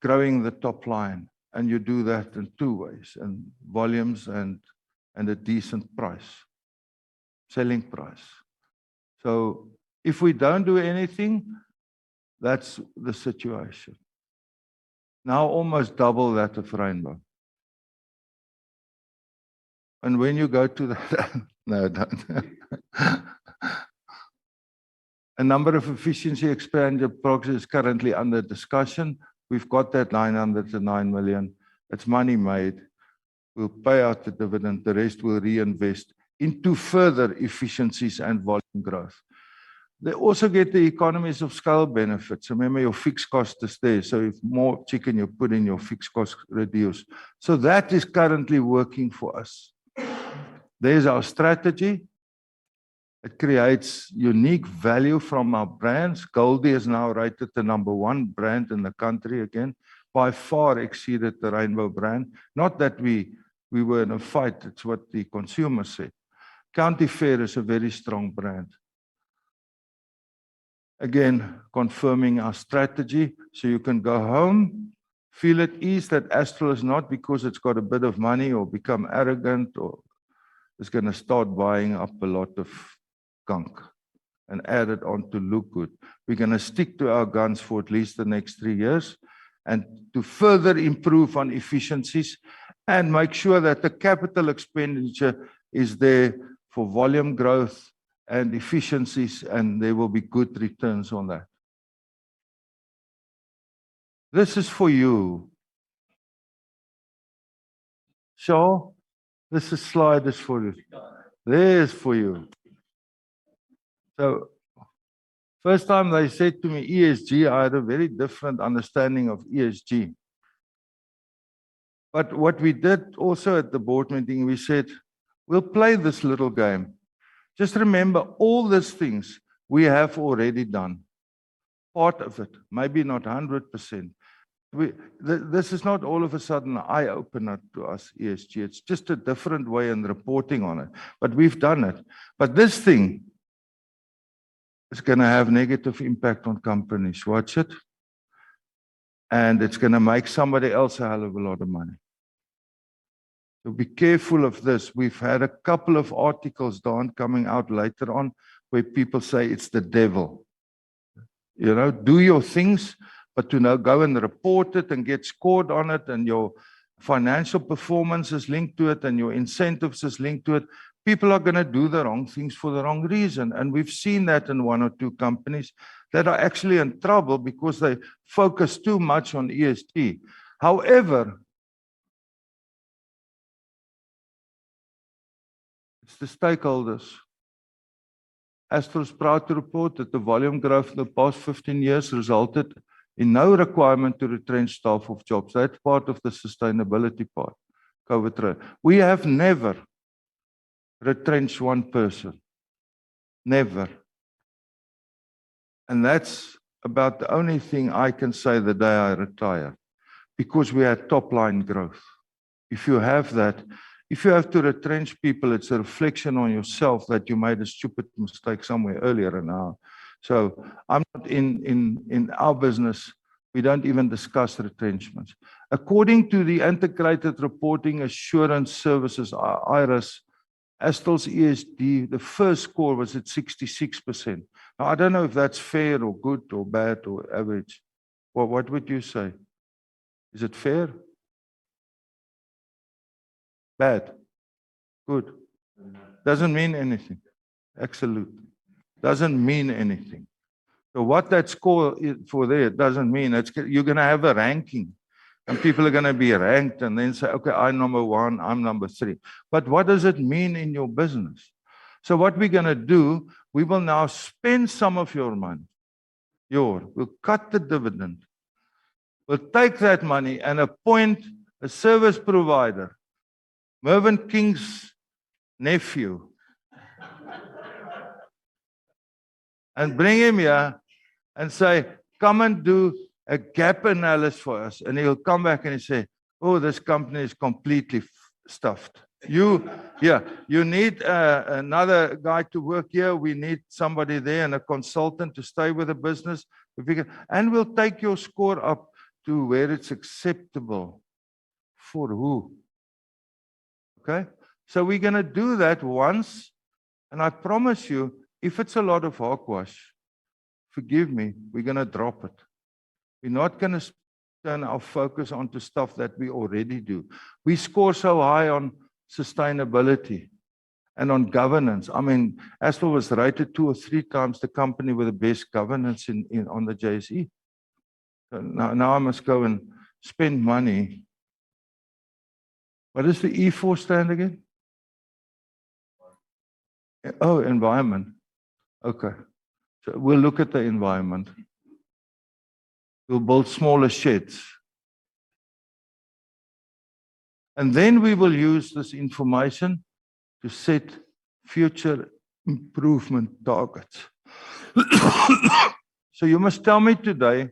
growing the top line, and you do that in two ways, in volumes and a decent price. Selling price. If we don't do anything, that's the situation. Now almost double that of Rainbow. A number of efficiency expenditure projects is currently under discussion. We've got that 909 million. It's money made. We'll pay out the dividend, the rest we'll reinvest into further efficiencies and volume growth. They also get the economies of scale benefits. Remember your fixed cost is there, so if more chicken you put in, your fixed cost reduce. That is currently working for us. There's our strategy. It creates unique value from our brands. Goldi is now rated the number one brand in the country again. By far exceeded the Rainbow brand. Not that we were in a fight, it's what the consumers said. County Fair is a very strong brand. Again, confirming our strategy, so you can go home, feel at ease that Astral is not, because it's got a bit of money, or become arrogant, or is gonna start buying up a lot of gunk and add it on to look good. We're gonna stick to our guns for at least the next three years. To further improve on efficiencies and make sure that the capital expenditure is there for volume growth and efficiencies, and there will be good returns on that. This is for you. Shaw, this slide is for you. Yeah. There's for you. First time they said to me ESG, I had a very different understanding of ESG. What we did also at the board meeting, we said, "We'll play this little game." Just remember all these things we have already done part of it, maybe not 100%. This is not all of a sudden eyeopener to us, ESG. It's just a different way in reporting on it. We've done it. This thing is gonna have negative impact on companies. Watch it. It's gonna make somebody else a hell of a lot of money. Be careful of this. We've had a couple of articles, Dawn, coming out later on where people say it's the devil. You know, do your things, but to now go and report it and get scored on it and your financial performance is linked to it and your incentives is linked to it, people are gonna do the wrong things for the wrong reason. We've seen that in one or two companies that are actually in trouble because they focus too much on ESG. However, it's the stakeholders. Astral's proud to report that the volume growth in the past 15 years resulted in no requirement to retrench staff or jobs. That's part of the sustainability part. COVID, right. We have never retrenched one person. Never. That's about the only thing I can say the day I retire, because we had top line growth. If you have that. If you have to retrench people, it's a reflection on yourself that you made a stupid mistake somewhere earlier on. I'm not in our business, we don't even discuss retrenchments. According to the Integrated Reporting & Assurance Services, IRAS, Astral's ESG, the first score was at 66%. Now I don't know if that's fair, or good, or bad, or average. Well, what would you say? Is it fair? Bad? Good? No. Doesn't mean anything. Absolutely. Doesn't mean anything. What that score, for there doesn't mean... It's. You're gonna have a ranking, and people are gonna be ranked and then say, "Okay, I'm number one. I'm number three." But what does it mean in your business? What we're gonna do, we will now spend some of your money. We'll cut the dividend. We'll take that money and appoint a service provider, Mervyn King's nephew. Bring him here and say, "Come and do a gap analysis for us." He'll come back and he'll say, "Oh, this company is completely stuffed." "Yeah, you need another guy to work here. We need somebody there, and a consultant to stay with the business if we can, and we'll take your score up to where it's acceptable." For who? Okay. We're gonna do that once, and I promise you, if it's a lot of hogwash, forgive me, we're gonna drop it. We're not gonna turn our focus onto stuff that we already do. We score so high on sustainability and on governance. I mean, Astral was rated 2x or 3x the company with the best governance in on the JSE. Now I must go and spend money. What does the E for stand again? Environment. Oh, environment. Okay. We'll look at the environment. We'll build smaller sheds. Then we will use this information to set future improvement targets. You must tell me today,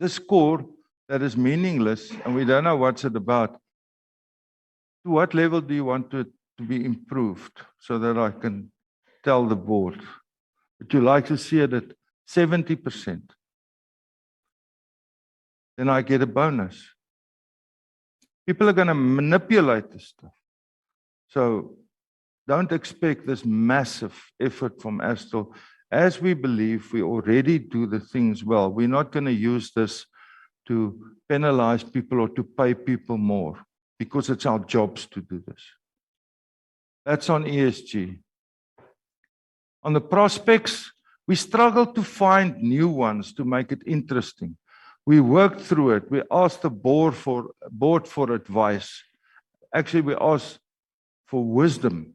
this score that is meaningless, and we don't know what's it about, to what level do you want it to be improved so that I can tell the board? Would you like to see it at 70% and I get a bonus? People are gonna manipulate this stuff. Don't expect this massive effort from Astral as we believe we already do the things well. We're not gonna use this to penalize people or to pay people more, because it's our jobs to do this. That's on ESG. On the prospects, we struggle to find new ones to make it interesting. We worked through it. We asked the board for advice. Actually, we asked for wisdom.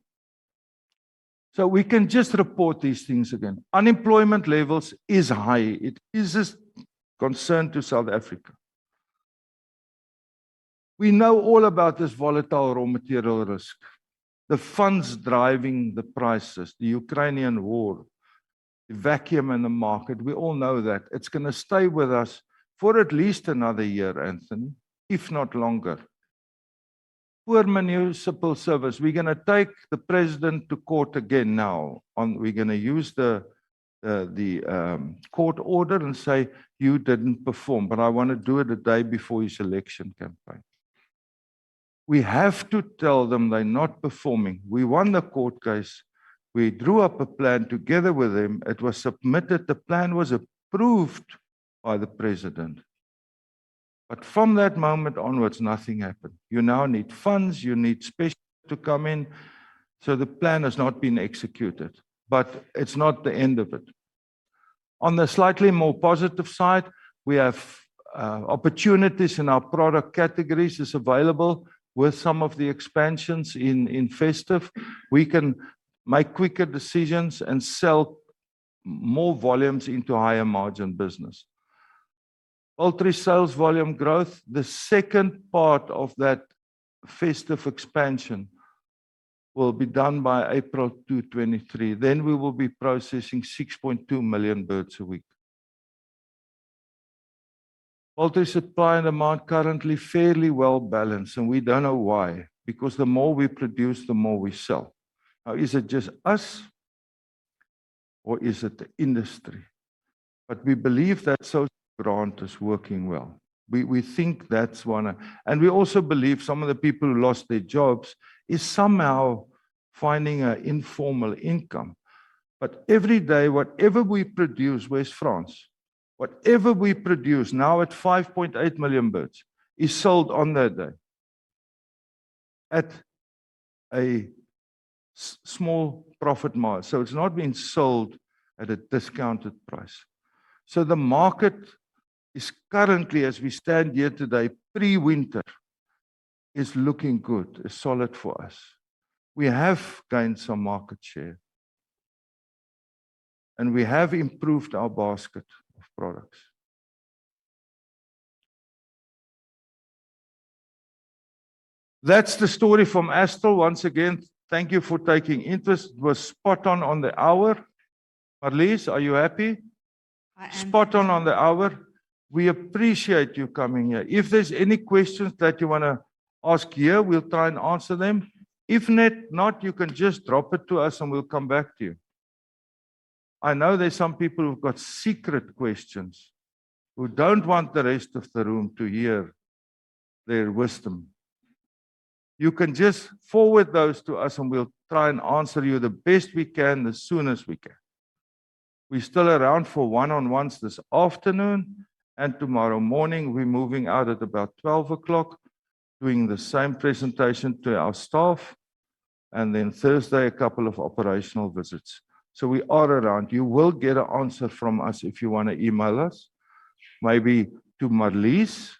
We can just report these things again. Unemployment levels is high. It is a concern to South Africa. We know all about this volatile raw material risk, the funds driving the prices, the Ukrainian war, the vacuum in the market. We all know that. It's gonna stay with us for at least another year, Anthony, if not longer. Poor municipal service. We're gonna take the president to court again now. We're gonna use the court order and say, "You didn't perform." I wanna do it a day before his election campaign. We have to tell them they're not performing. We won the court case. We drew up a plan together with them. It was submitted. The plan was approved by the president. From that moment onwards, nothing happened. You now need funds. You need specialists to come in. The plan has not been executed, but it's not the end of it. On the slightly more positive side, we have opportunities in our product categories is available with some of the expansions in Festive. We can make quicker decisions and sell more volumes into higher margin business. Poultry sales volume growth. The second part of that Festive expansion will be done by April 2023, then we will be processing 6.2 million birds a week. Poultry supply and demand currently fairly well-balanced, and we don't know why. Because the more we produce, the more we sell. Now, is it just us or is it the industry? We believe that social grant is working well. We think that's one of. We also believe some of the people who lost their jobs is somehow finding an informal income. Every day, whatever we produce, Frans van Heerden, whatever we produce, now at 5.8 million birds, is sold on that day at a small profit margin. It's not been sold at a discounted price. The market is currently, as we stand here today, pre-winter, is looking good. It's solid for us. We have gained some market share, and we have improved our basket of products. That's the story from Astral. Once again, thank you for taking interest. It was spot on on the hour. Marlize, are you happy? I am. Spot on on the hour. We appreciate you coming here. If there's any questions that you wanna ask here, we'll try and answer them. If not, you can just drop it to us, and we'll come back to you. I know there's some people who've got secret questions, who don't want the rest of the room to hear their wisdom. You can just forward those to us, and we'll try and answer you the best we can, the soonest we can. We're still around for one-on-ones this afternoon, and tomorrow morning, we're moving out at about 12:00 P.M., doing the same presentation to our staff. And then Thursday, a couple of operational visits. We are around. You will get an answer from us if you wanna email us. Maybe to Marlize.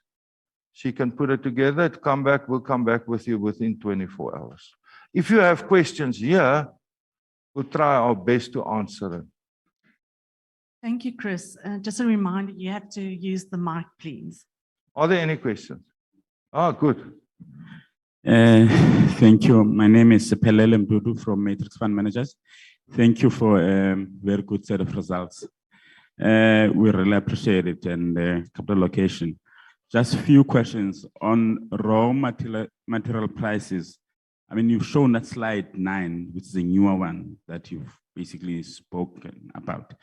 She can put it together and come back. We'll come back with you within 24 hours. If you have questions here, we'll try our best to answer it. Thank you, Chris. Just a reminder, you have to use the mic, please. Are there any questions? Oh, good. Thank you. My name is Siphelele Mdudu from Matrix Fund Managers. Thank you for very good set of results. We really appreciate it, and capital allocation. Just few questions on raw material prices. I mean, you've shown that slide nine, which is a newer one that you've basically spoken about.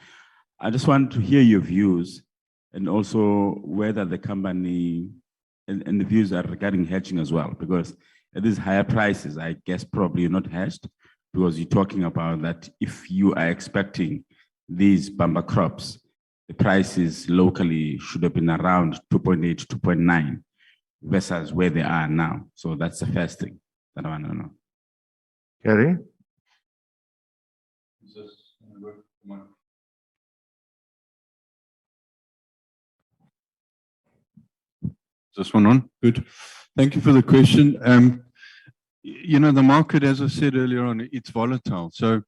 I just want to hear your views and also whether the company and the views are regarding hedging as well. Because at these higher prices, I guess probably you're not hedged because you're talking about that if you are expecting these bumper crops, the prices locally should have been around 2.8-2.9 versus where they are now. That's the first thing that I wanna know. Gary? Is this mic on? Is this one on? Good. Thank you for the question. You know, the market, as I said earlier on, it's volatile. So,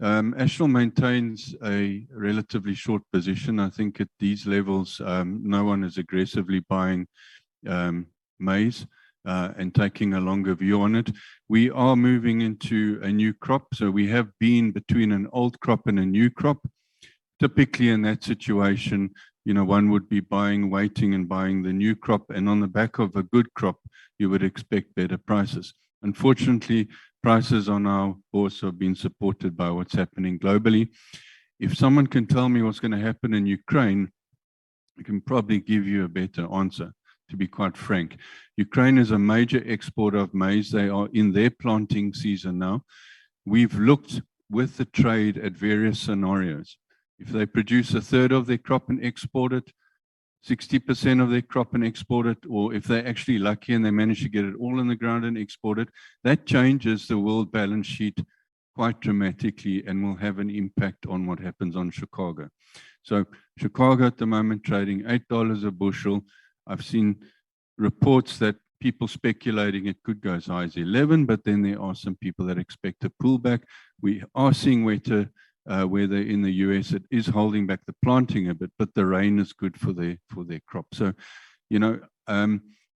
Astral maintains a relatively short position. I think at these levels, no one is aggressively buying maize and taking a longer view on it. We are moving into a new crop, so we have been between an old crop and a new crop. Typically, in that situation, you know, one would be buying, waiting and buying the new crop, and on the back of a good crop, you would expect better prices. Unfortunately, prices are now also being supported by what's happening globally. If someone can tell me what's gonna happen in Ukraine, I can probably give you a better answer, to be quite frank. Ukraine is a major exporter of maize. They are in their planting season now. We've looked with the trade at various scenarios. If they produce a third of their crop and export it, 60% of their crop and export it, or if they're actually lucky and they manage to get it all in the ground and export it, that changes the world balance sheet quite dramatically and will have an impact on what happens on Chicago. Chicago at the moment trading $8 a bushel. I've seen reports that people speculating it could go as high as 11, but then there are some people that expect a pullback. We are seeing wetter weather in the U.S. It is holding back the planting a bit, but the rain is good for their crop. You know,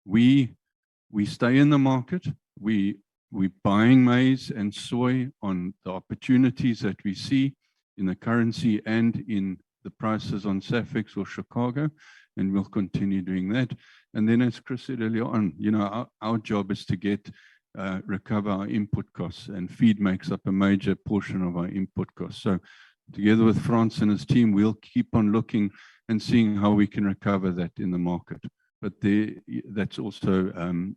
we stay in the market. We're buying maize and soy on the opportunities that we see in the currency and in the prices on Safex or Chicago, and we'll continue doing that. As Chris said earlier on, you know, our job is to recover our input costs, and feed makes up a major portion of our input costs. Together with Frans and his team, we'll keep on looking and seeing how we can recover that in the market. That's also,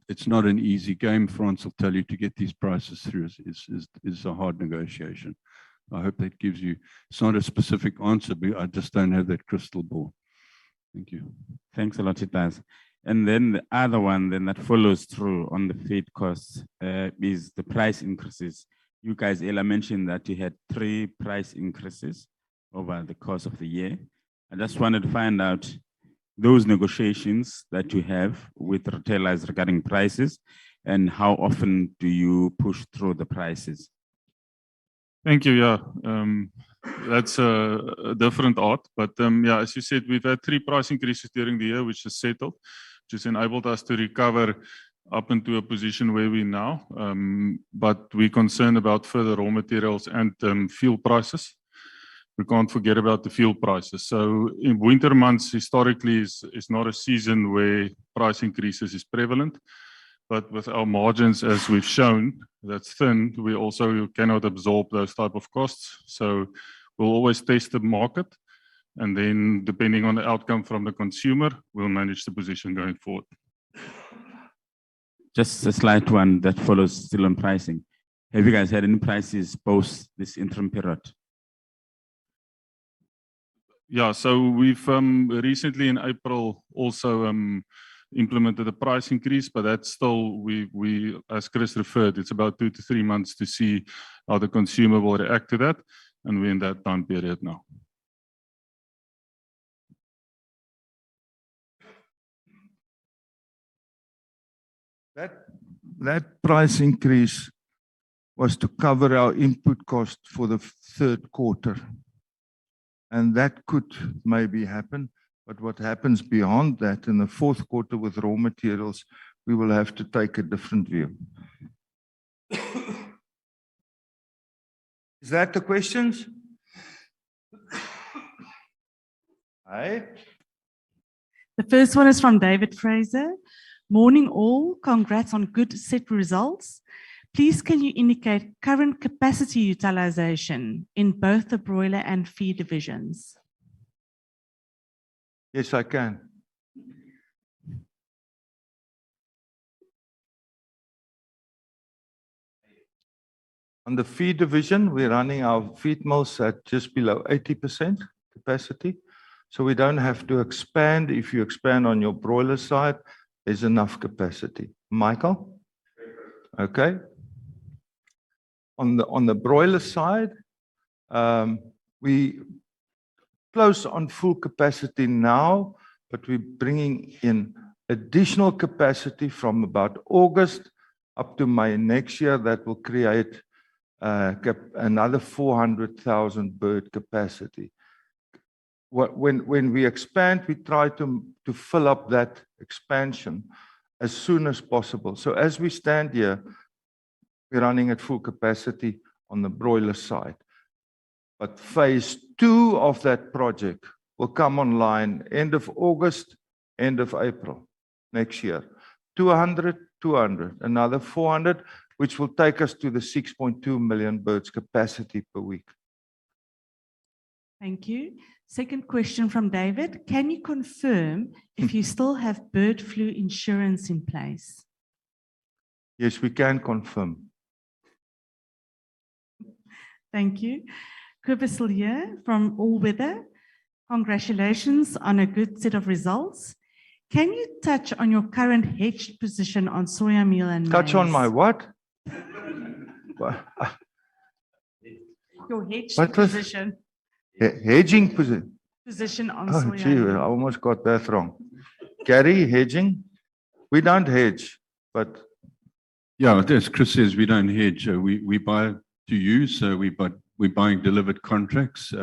it's not an easy game. Frans will tell you to get these prices through is a hard negotiation. I hope that gives you. It's not a specific answer, but I just don't have that crystal ball. Thank you. Thanks a lot. It does. The other one that follows through on the feed costs is the price increases. You guys earlier mentioned that you had three price increases over the course of the year. I just wanted to find out those negotiations that you have with retailers regarding prices, and how often do you push through the prices? Thank you. Yeah. That's a different art. Yeah, as you said, we've had three price increases during the year, which has settled. Which has enabled us to recover up into a position where we're now. We're concerned about further raw materials and fuel prices. We can't forget about the fuel prices. In winter months, historically is not a season where price increases is prevalent. With our margins, as we've shown, that's thin, we also cannot absorb those type of costs. We'll always test the market, and then depending on the outcome from the consumer, we'll manage the position going forward. Just a slight one that follows still on pricing. Have you guys had any prices post this interim period? We've recently in April also implemented a price increase, but that's still, as Chris referred, it's about two to three months to see how the consumer will react to that, and we're in that time period now. That price increase was to cover our input cost for the third quarter, and that could maybe happen. What happens beyond that in the fourth quarter with raw materials, we will have to take a different view. Is that the question? Right. The first one is from David Fraser. Morning, all. Congrats on good set results. Please can you indicate current capacity utilization in both the broiler and feed divisions? Yes, I can. On the feed division, we're running our feed mills at just below 80% capacity. We don't have to expand. If you expand on your broiler side, there's enough capacity. Michael? Correct. Okay. On the broiler side, we're close to full capacity now, but we're bringing in additional capacity from about August up to May next year that will create another 400,000 bird capacity. When we expand, we try to fill up that expansion as soon as possible. As we stand here, we're running at full capacity on the broiler side. Phase two of that project will come online end of August, end of April next year. 200. Another 400, which will take us to the 6.2 million birds capacity per week. Thank you. Second question from David. Can you confirm if you still have bird flu insurance in place? Yes, we can confirm. Thank you. Kobus le Roux from All Weather Capital. Congratulations on a good set of results. Can you touch on your current hedge position on soya meal and maize? Touch on my what? Your hedge position. What was... He-hedging posi- Position on soya meal. Oh, gee, I almost got that wrong. Gary, hedging? We don't hedge, but-. Yeah. As Chris says, we don't hedge. We buy to use, so we buy, we're buying delivered contracts.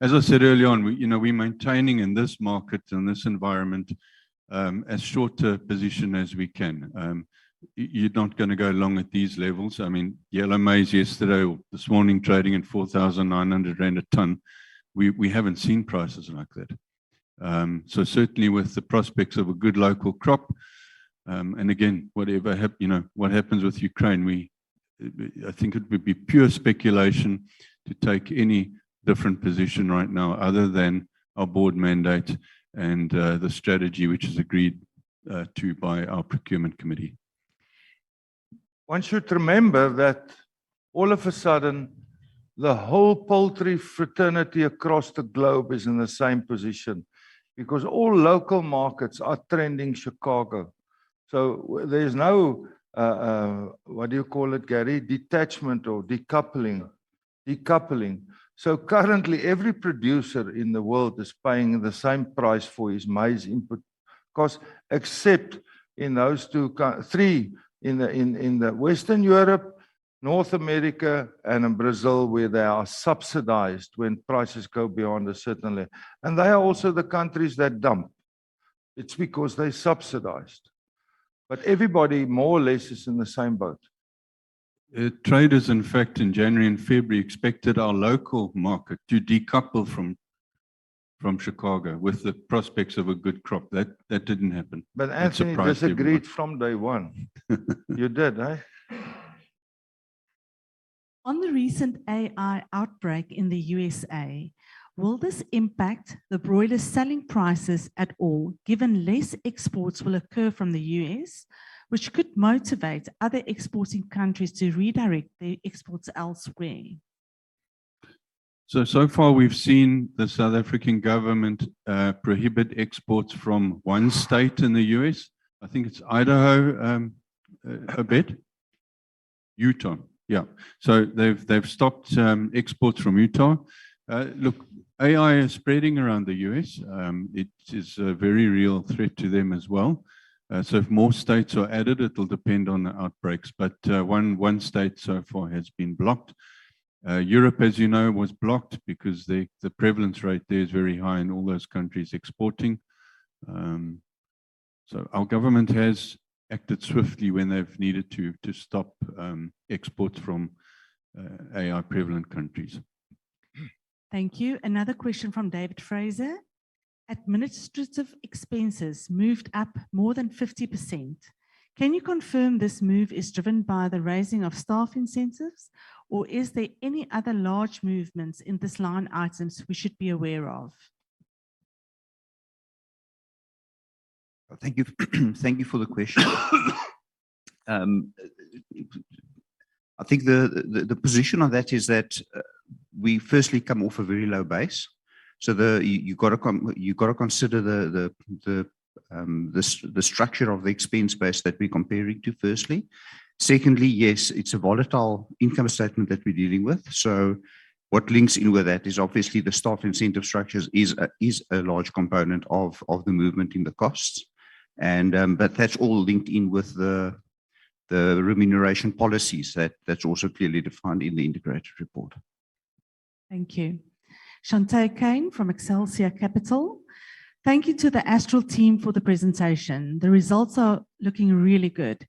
As I said earlier on, you know, we're maintaining in this market, in this environment, as short a position as we can. You're not gonna go long at these levels. I mean, yellow maize yesterday or this morning trading at 4,900 rand a ton. We haven't seen prices like that. So certainly with the prospects of a good local crop, and again, whatever you know, what happens with Ukraine, I think it would be pure speculation to take any different position right now other than our board mandate and the strategy which is agreed to by our procurement committee. One should remember that all of a sudden, the whole poultry fraternity across the globe is in the same position because all local markets are trending Chicago. There is no, what do you call it, Gary? Detachment or decoupling. Decoupling. Currently, every producer in the world is paying the same price for his maize input costs, except in those three, in the Western Europe, North America, and in Brazil, where they are subsidized when prices go beyond a certain level. They are also the countries that dump. It's because they're subsidized. Everybody, more or less, is in the same boat. Traders, in fact, in January and February expected our local market to decouple from Chicago with the prospects of a good crop. That didn't happen. Anthony disagreed from day one. You did, eh? On the recent AI outbreak in the USA, will this impact the broiler selling prices at all, given less exports will occur from the U.S., which could motivate other exporting countries to redirect their exports elsewhere? So far we've seen the South African government prohibit exports from one state in the U.S. I think it's Idaho and Utah, yeah. They've stopped exports from Utah. Look, AI is spreading around the U.S. It is a very real threat to them as well. If more states are added, it'll depend on the outbreaks. One state so far has been blocked. Europe, as you know, was blocked because the prevalence rate there is very high in all those countries exporting. Our government has acted swiftly when they've needed to stop exports from AI prevalent countries. Thank you. Another question from David Fraser. Administrative expenses moved up more than 50%. Can you confirm this move is driven by the raising of staff incentives, or is there any other large movements in this line items we should be aware of? Thank you for the question. I think the position on that is that we firstly come off a very low base. You gotta consider the structure of the expense base that we're comparing to, firstly. Secondly, yes, it's a volatile income statement that we're dealing with. What links in with that is obviously the staff incentive structures is a large component of the movement in the costs. But that's all linked in with the remuneration policies. That's also clearly defined in the integrated report. Thank you. Chante Cain from Excelsia Capital. Thank you to the Astral team for the presentation. The results are looking really good.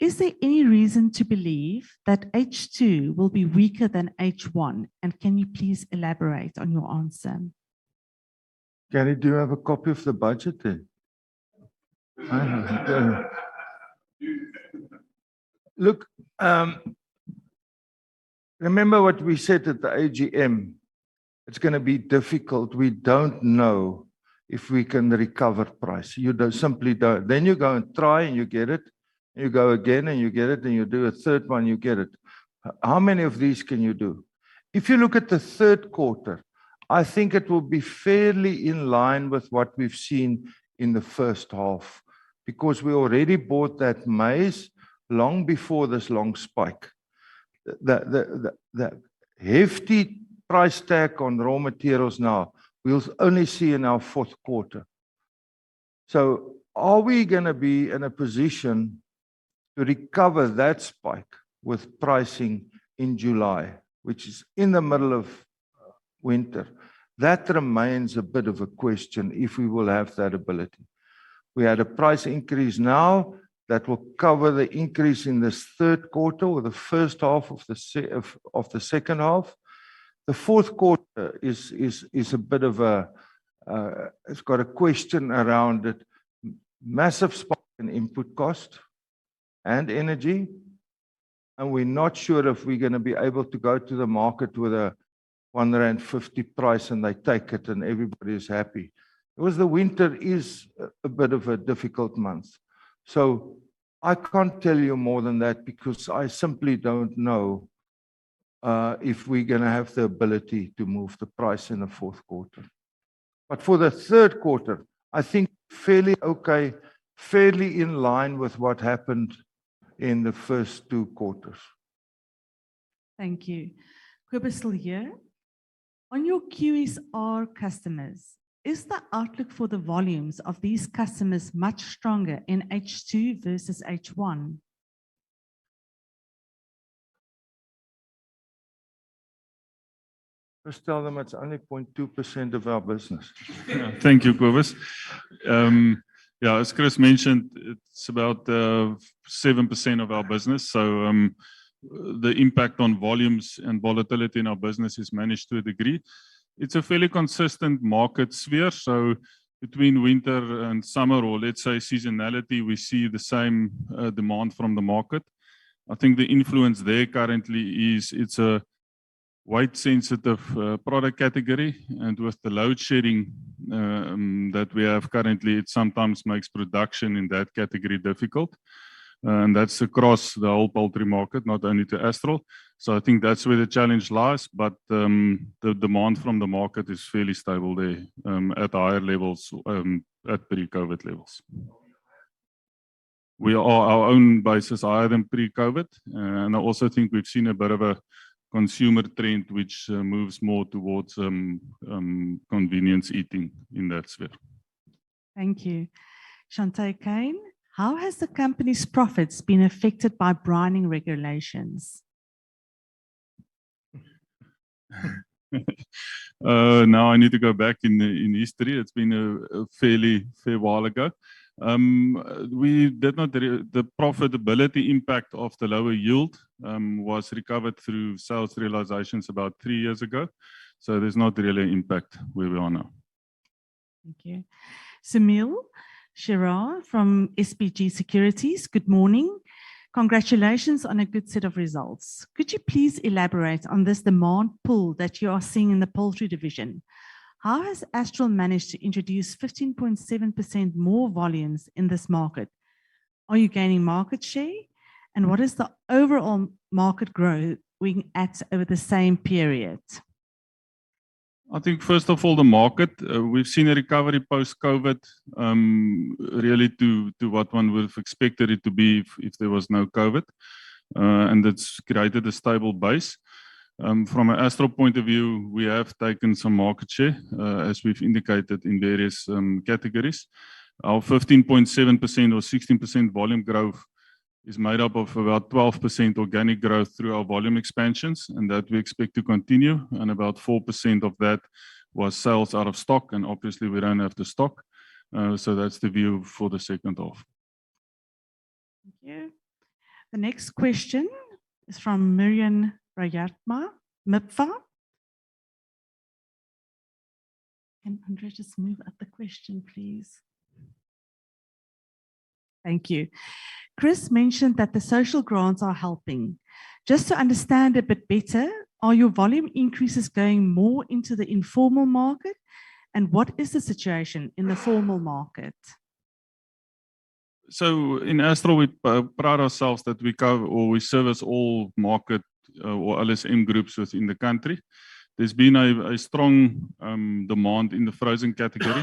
Is there any reason to believe that H2 will be weaker than H1? Can you please elaborate on your answer? Gary, do you have a copy of the budget there? I don't. Look, remember what we said at the AGM. It's gonna be difficult. We don't know if we can recover price. You don't, simply don't. You go and try, and you get it, and you go again, and you get it, and you do a third one, you get it. How many of these can you do? If you look at the third quarter, I think it will be fairly in line with what we've seen in the first half. Because we already bought that maize long before this long spike. The hefty price tag on raw materials now we'll only see in our fourth quarter. Are we gonna be in a position to recover that spike with pricing in July, which is in the middle of winter? That remains a bit of a question if we will have that ability. We had a price increase now that will cover the increase in this third quarter or the first half of the second half. The fourth quarter is a bit of a.. It's got a question around it. Massive spike in input cost and energy, and we're not sure if we're gonna be able to go to the market with a 1.50 rand price and they take it, and everybody's happy. Because the winter is a bit of a difficult month. I can't tell you more than that because I simply don't know if we're gonna have the ability to move the price in the fourth quarter. For the third quarter, I think fairly okay, fairly in line with what happened in the first two quarters. Thank you. Kobus le Roux. On your QSR customers, is the outlook for the volumes of these customers much stronger in H2 versus H1? Just tell them it's only 0.2% of our business. Thank you, Kobus. Yeah, as Chris mentioned, it's about 7% of our business. The impact on volumes and volatility in our business is managed to a degree. It's a fairly consistent market share. Between winter and summer or let's say seasonality, we see the same demand from the market. I think the influence there currently is it's a weight-sensitive product category, and with the load shedding that we have currently, it sometimes makes production in that category difficult. That's across the whole poultry market, not only to Astral. I think that's where the challenge lies. The demand from the market is fairly stable there at higher levels at pre-COVID levels. We are our own basis higher than pre-COVID. I also think we've seen a bit of a consumer trend which moves more towards convenience eating in that sphere. Thank you. Chante Cain. How has the company's profits been affected by pricing regulations? Now I need to go back in the history. It's been fairly a while ago. The profitability impact of the lower yield was recovered through sales realizations about three years ago. There's not really impact where we are now. Thank you. Sumil Seeraj from SBG Securities. Good morning. Congratulations on a good set of results. Could you please elaborate on this demand pool that you are seeing in the poultry division? How has Astral managed to introduce 15.7% more volumes in this market? Are you gaining market share? What is the overall market growth being at over the same period? I think first of all, the market, we've seen a recovery post-COVID, really to what one would have expected it to be if there was no COVID. It's created a stable base. From an Astral point of view, we have taken some market share, as we've indicated in various categories. Our 15.7% or 16% volume growth is made up of about 12% organic growth through our volume expansions, and that we expect to continue, and about 4% of that was sales out of stock, and obviously we don't have the stock. That's the view for the second half. Thank you. The next question is from Miriam Rajatma Mipha. Can Andre just move up the question, please? Thank you. Chris mentioned that the social grants are helping. Just to understand a bit better, are your volume increases going more into the informal market, and what is the situation in the formal market? In Astral, we pride ourselves that we cover or we service all market or LSM groups within the country. There's been a strong demand in the frozen category.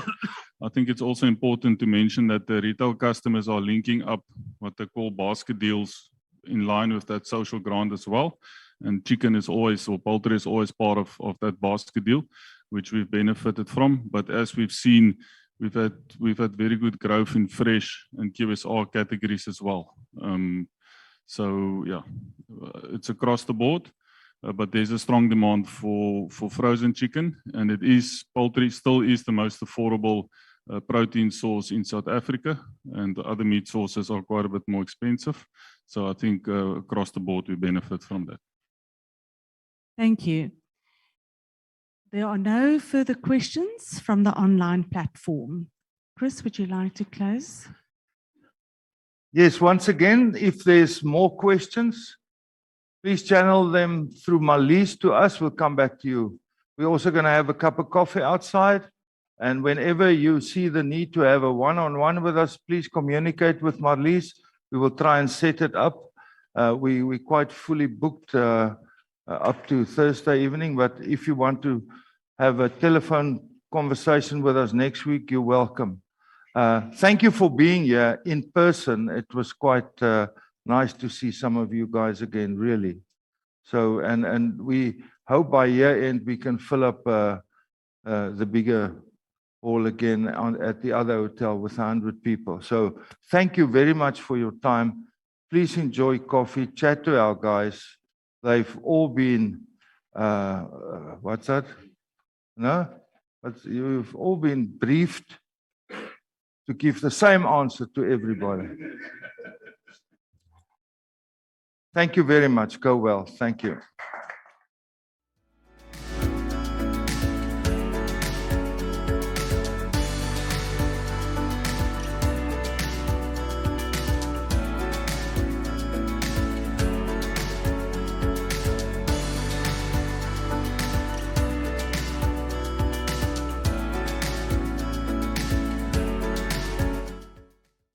I think it's also important to mention that the retail customers are linking up what they call basket deals in line with that social grant as well, and chicken is always or poultry is always part of that basket deal, which we've benefited from. As we've seen, we've had very good growth in fresh and QSR categories as well. It's across the board. There's a strong demand for frozen chicken, and poultry still is the most affordable protein source in South Africa, and other meat sources are quite a bit more expensive. I think across the board, we benefit from that. Thank you. There are no further questions from the online platform. Chris, would you like to close? Yes. Once again, if there's more questions, please channel them through Marlize to us, we'll come back to you. We're also gonna have a cup of coffee outside, and whenever you see the need to have a one-on-one with us, please communicate with Marlize. We will try and set it up. We are quite fully booked up to Thursday evening, but if you want to have a telephone conversation with us next week, you're welcome. Thank you for being here in person. It was quite nice to see some of you guys again, really. We hope by year-end, we can fill up the bigger hall again at the other hotel with a hundred people. Thank you very much for your time. Please enjoy coffee. Chat to our guys. You've all been briefed to give the same answer to everybody. Thank you very much. Go well. Thank you.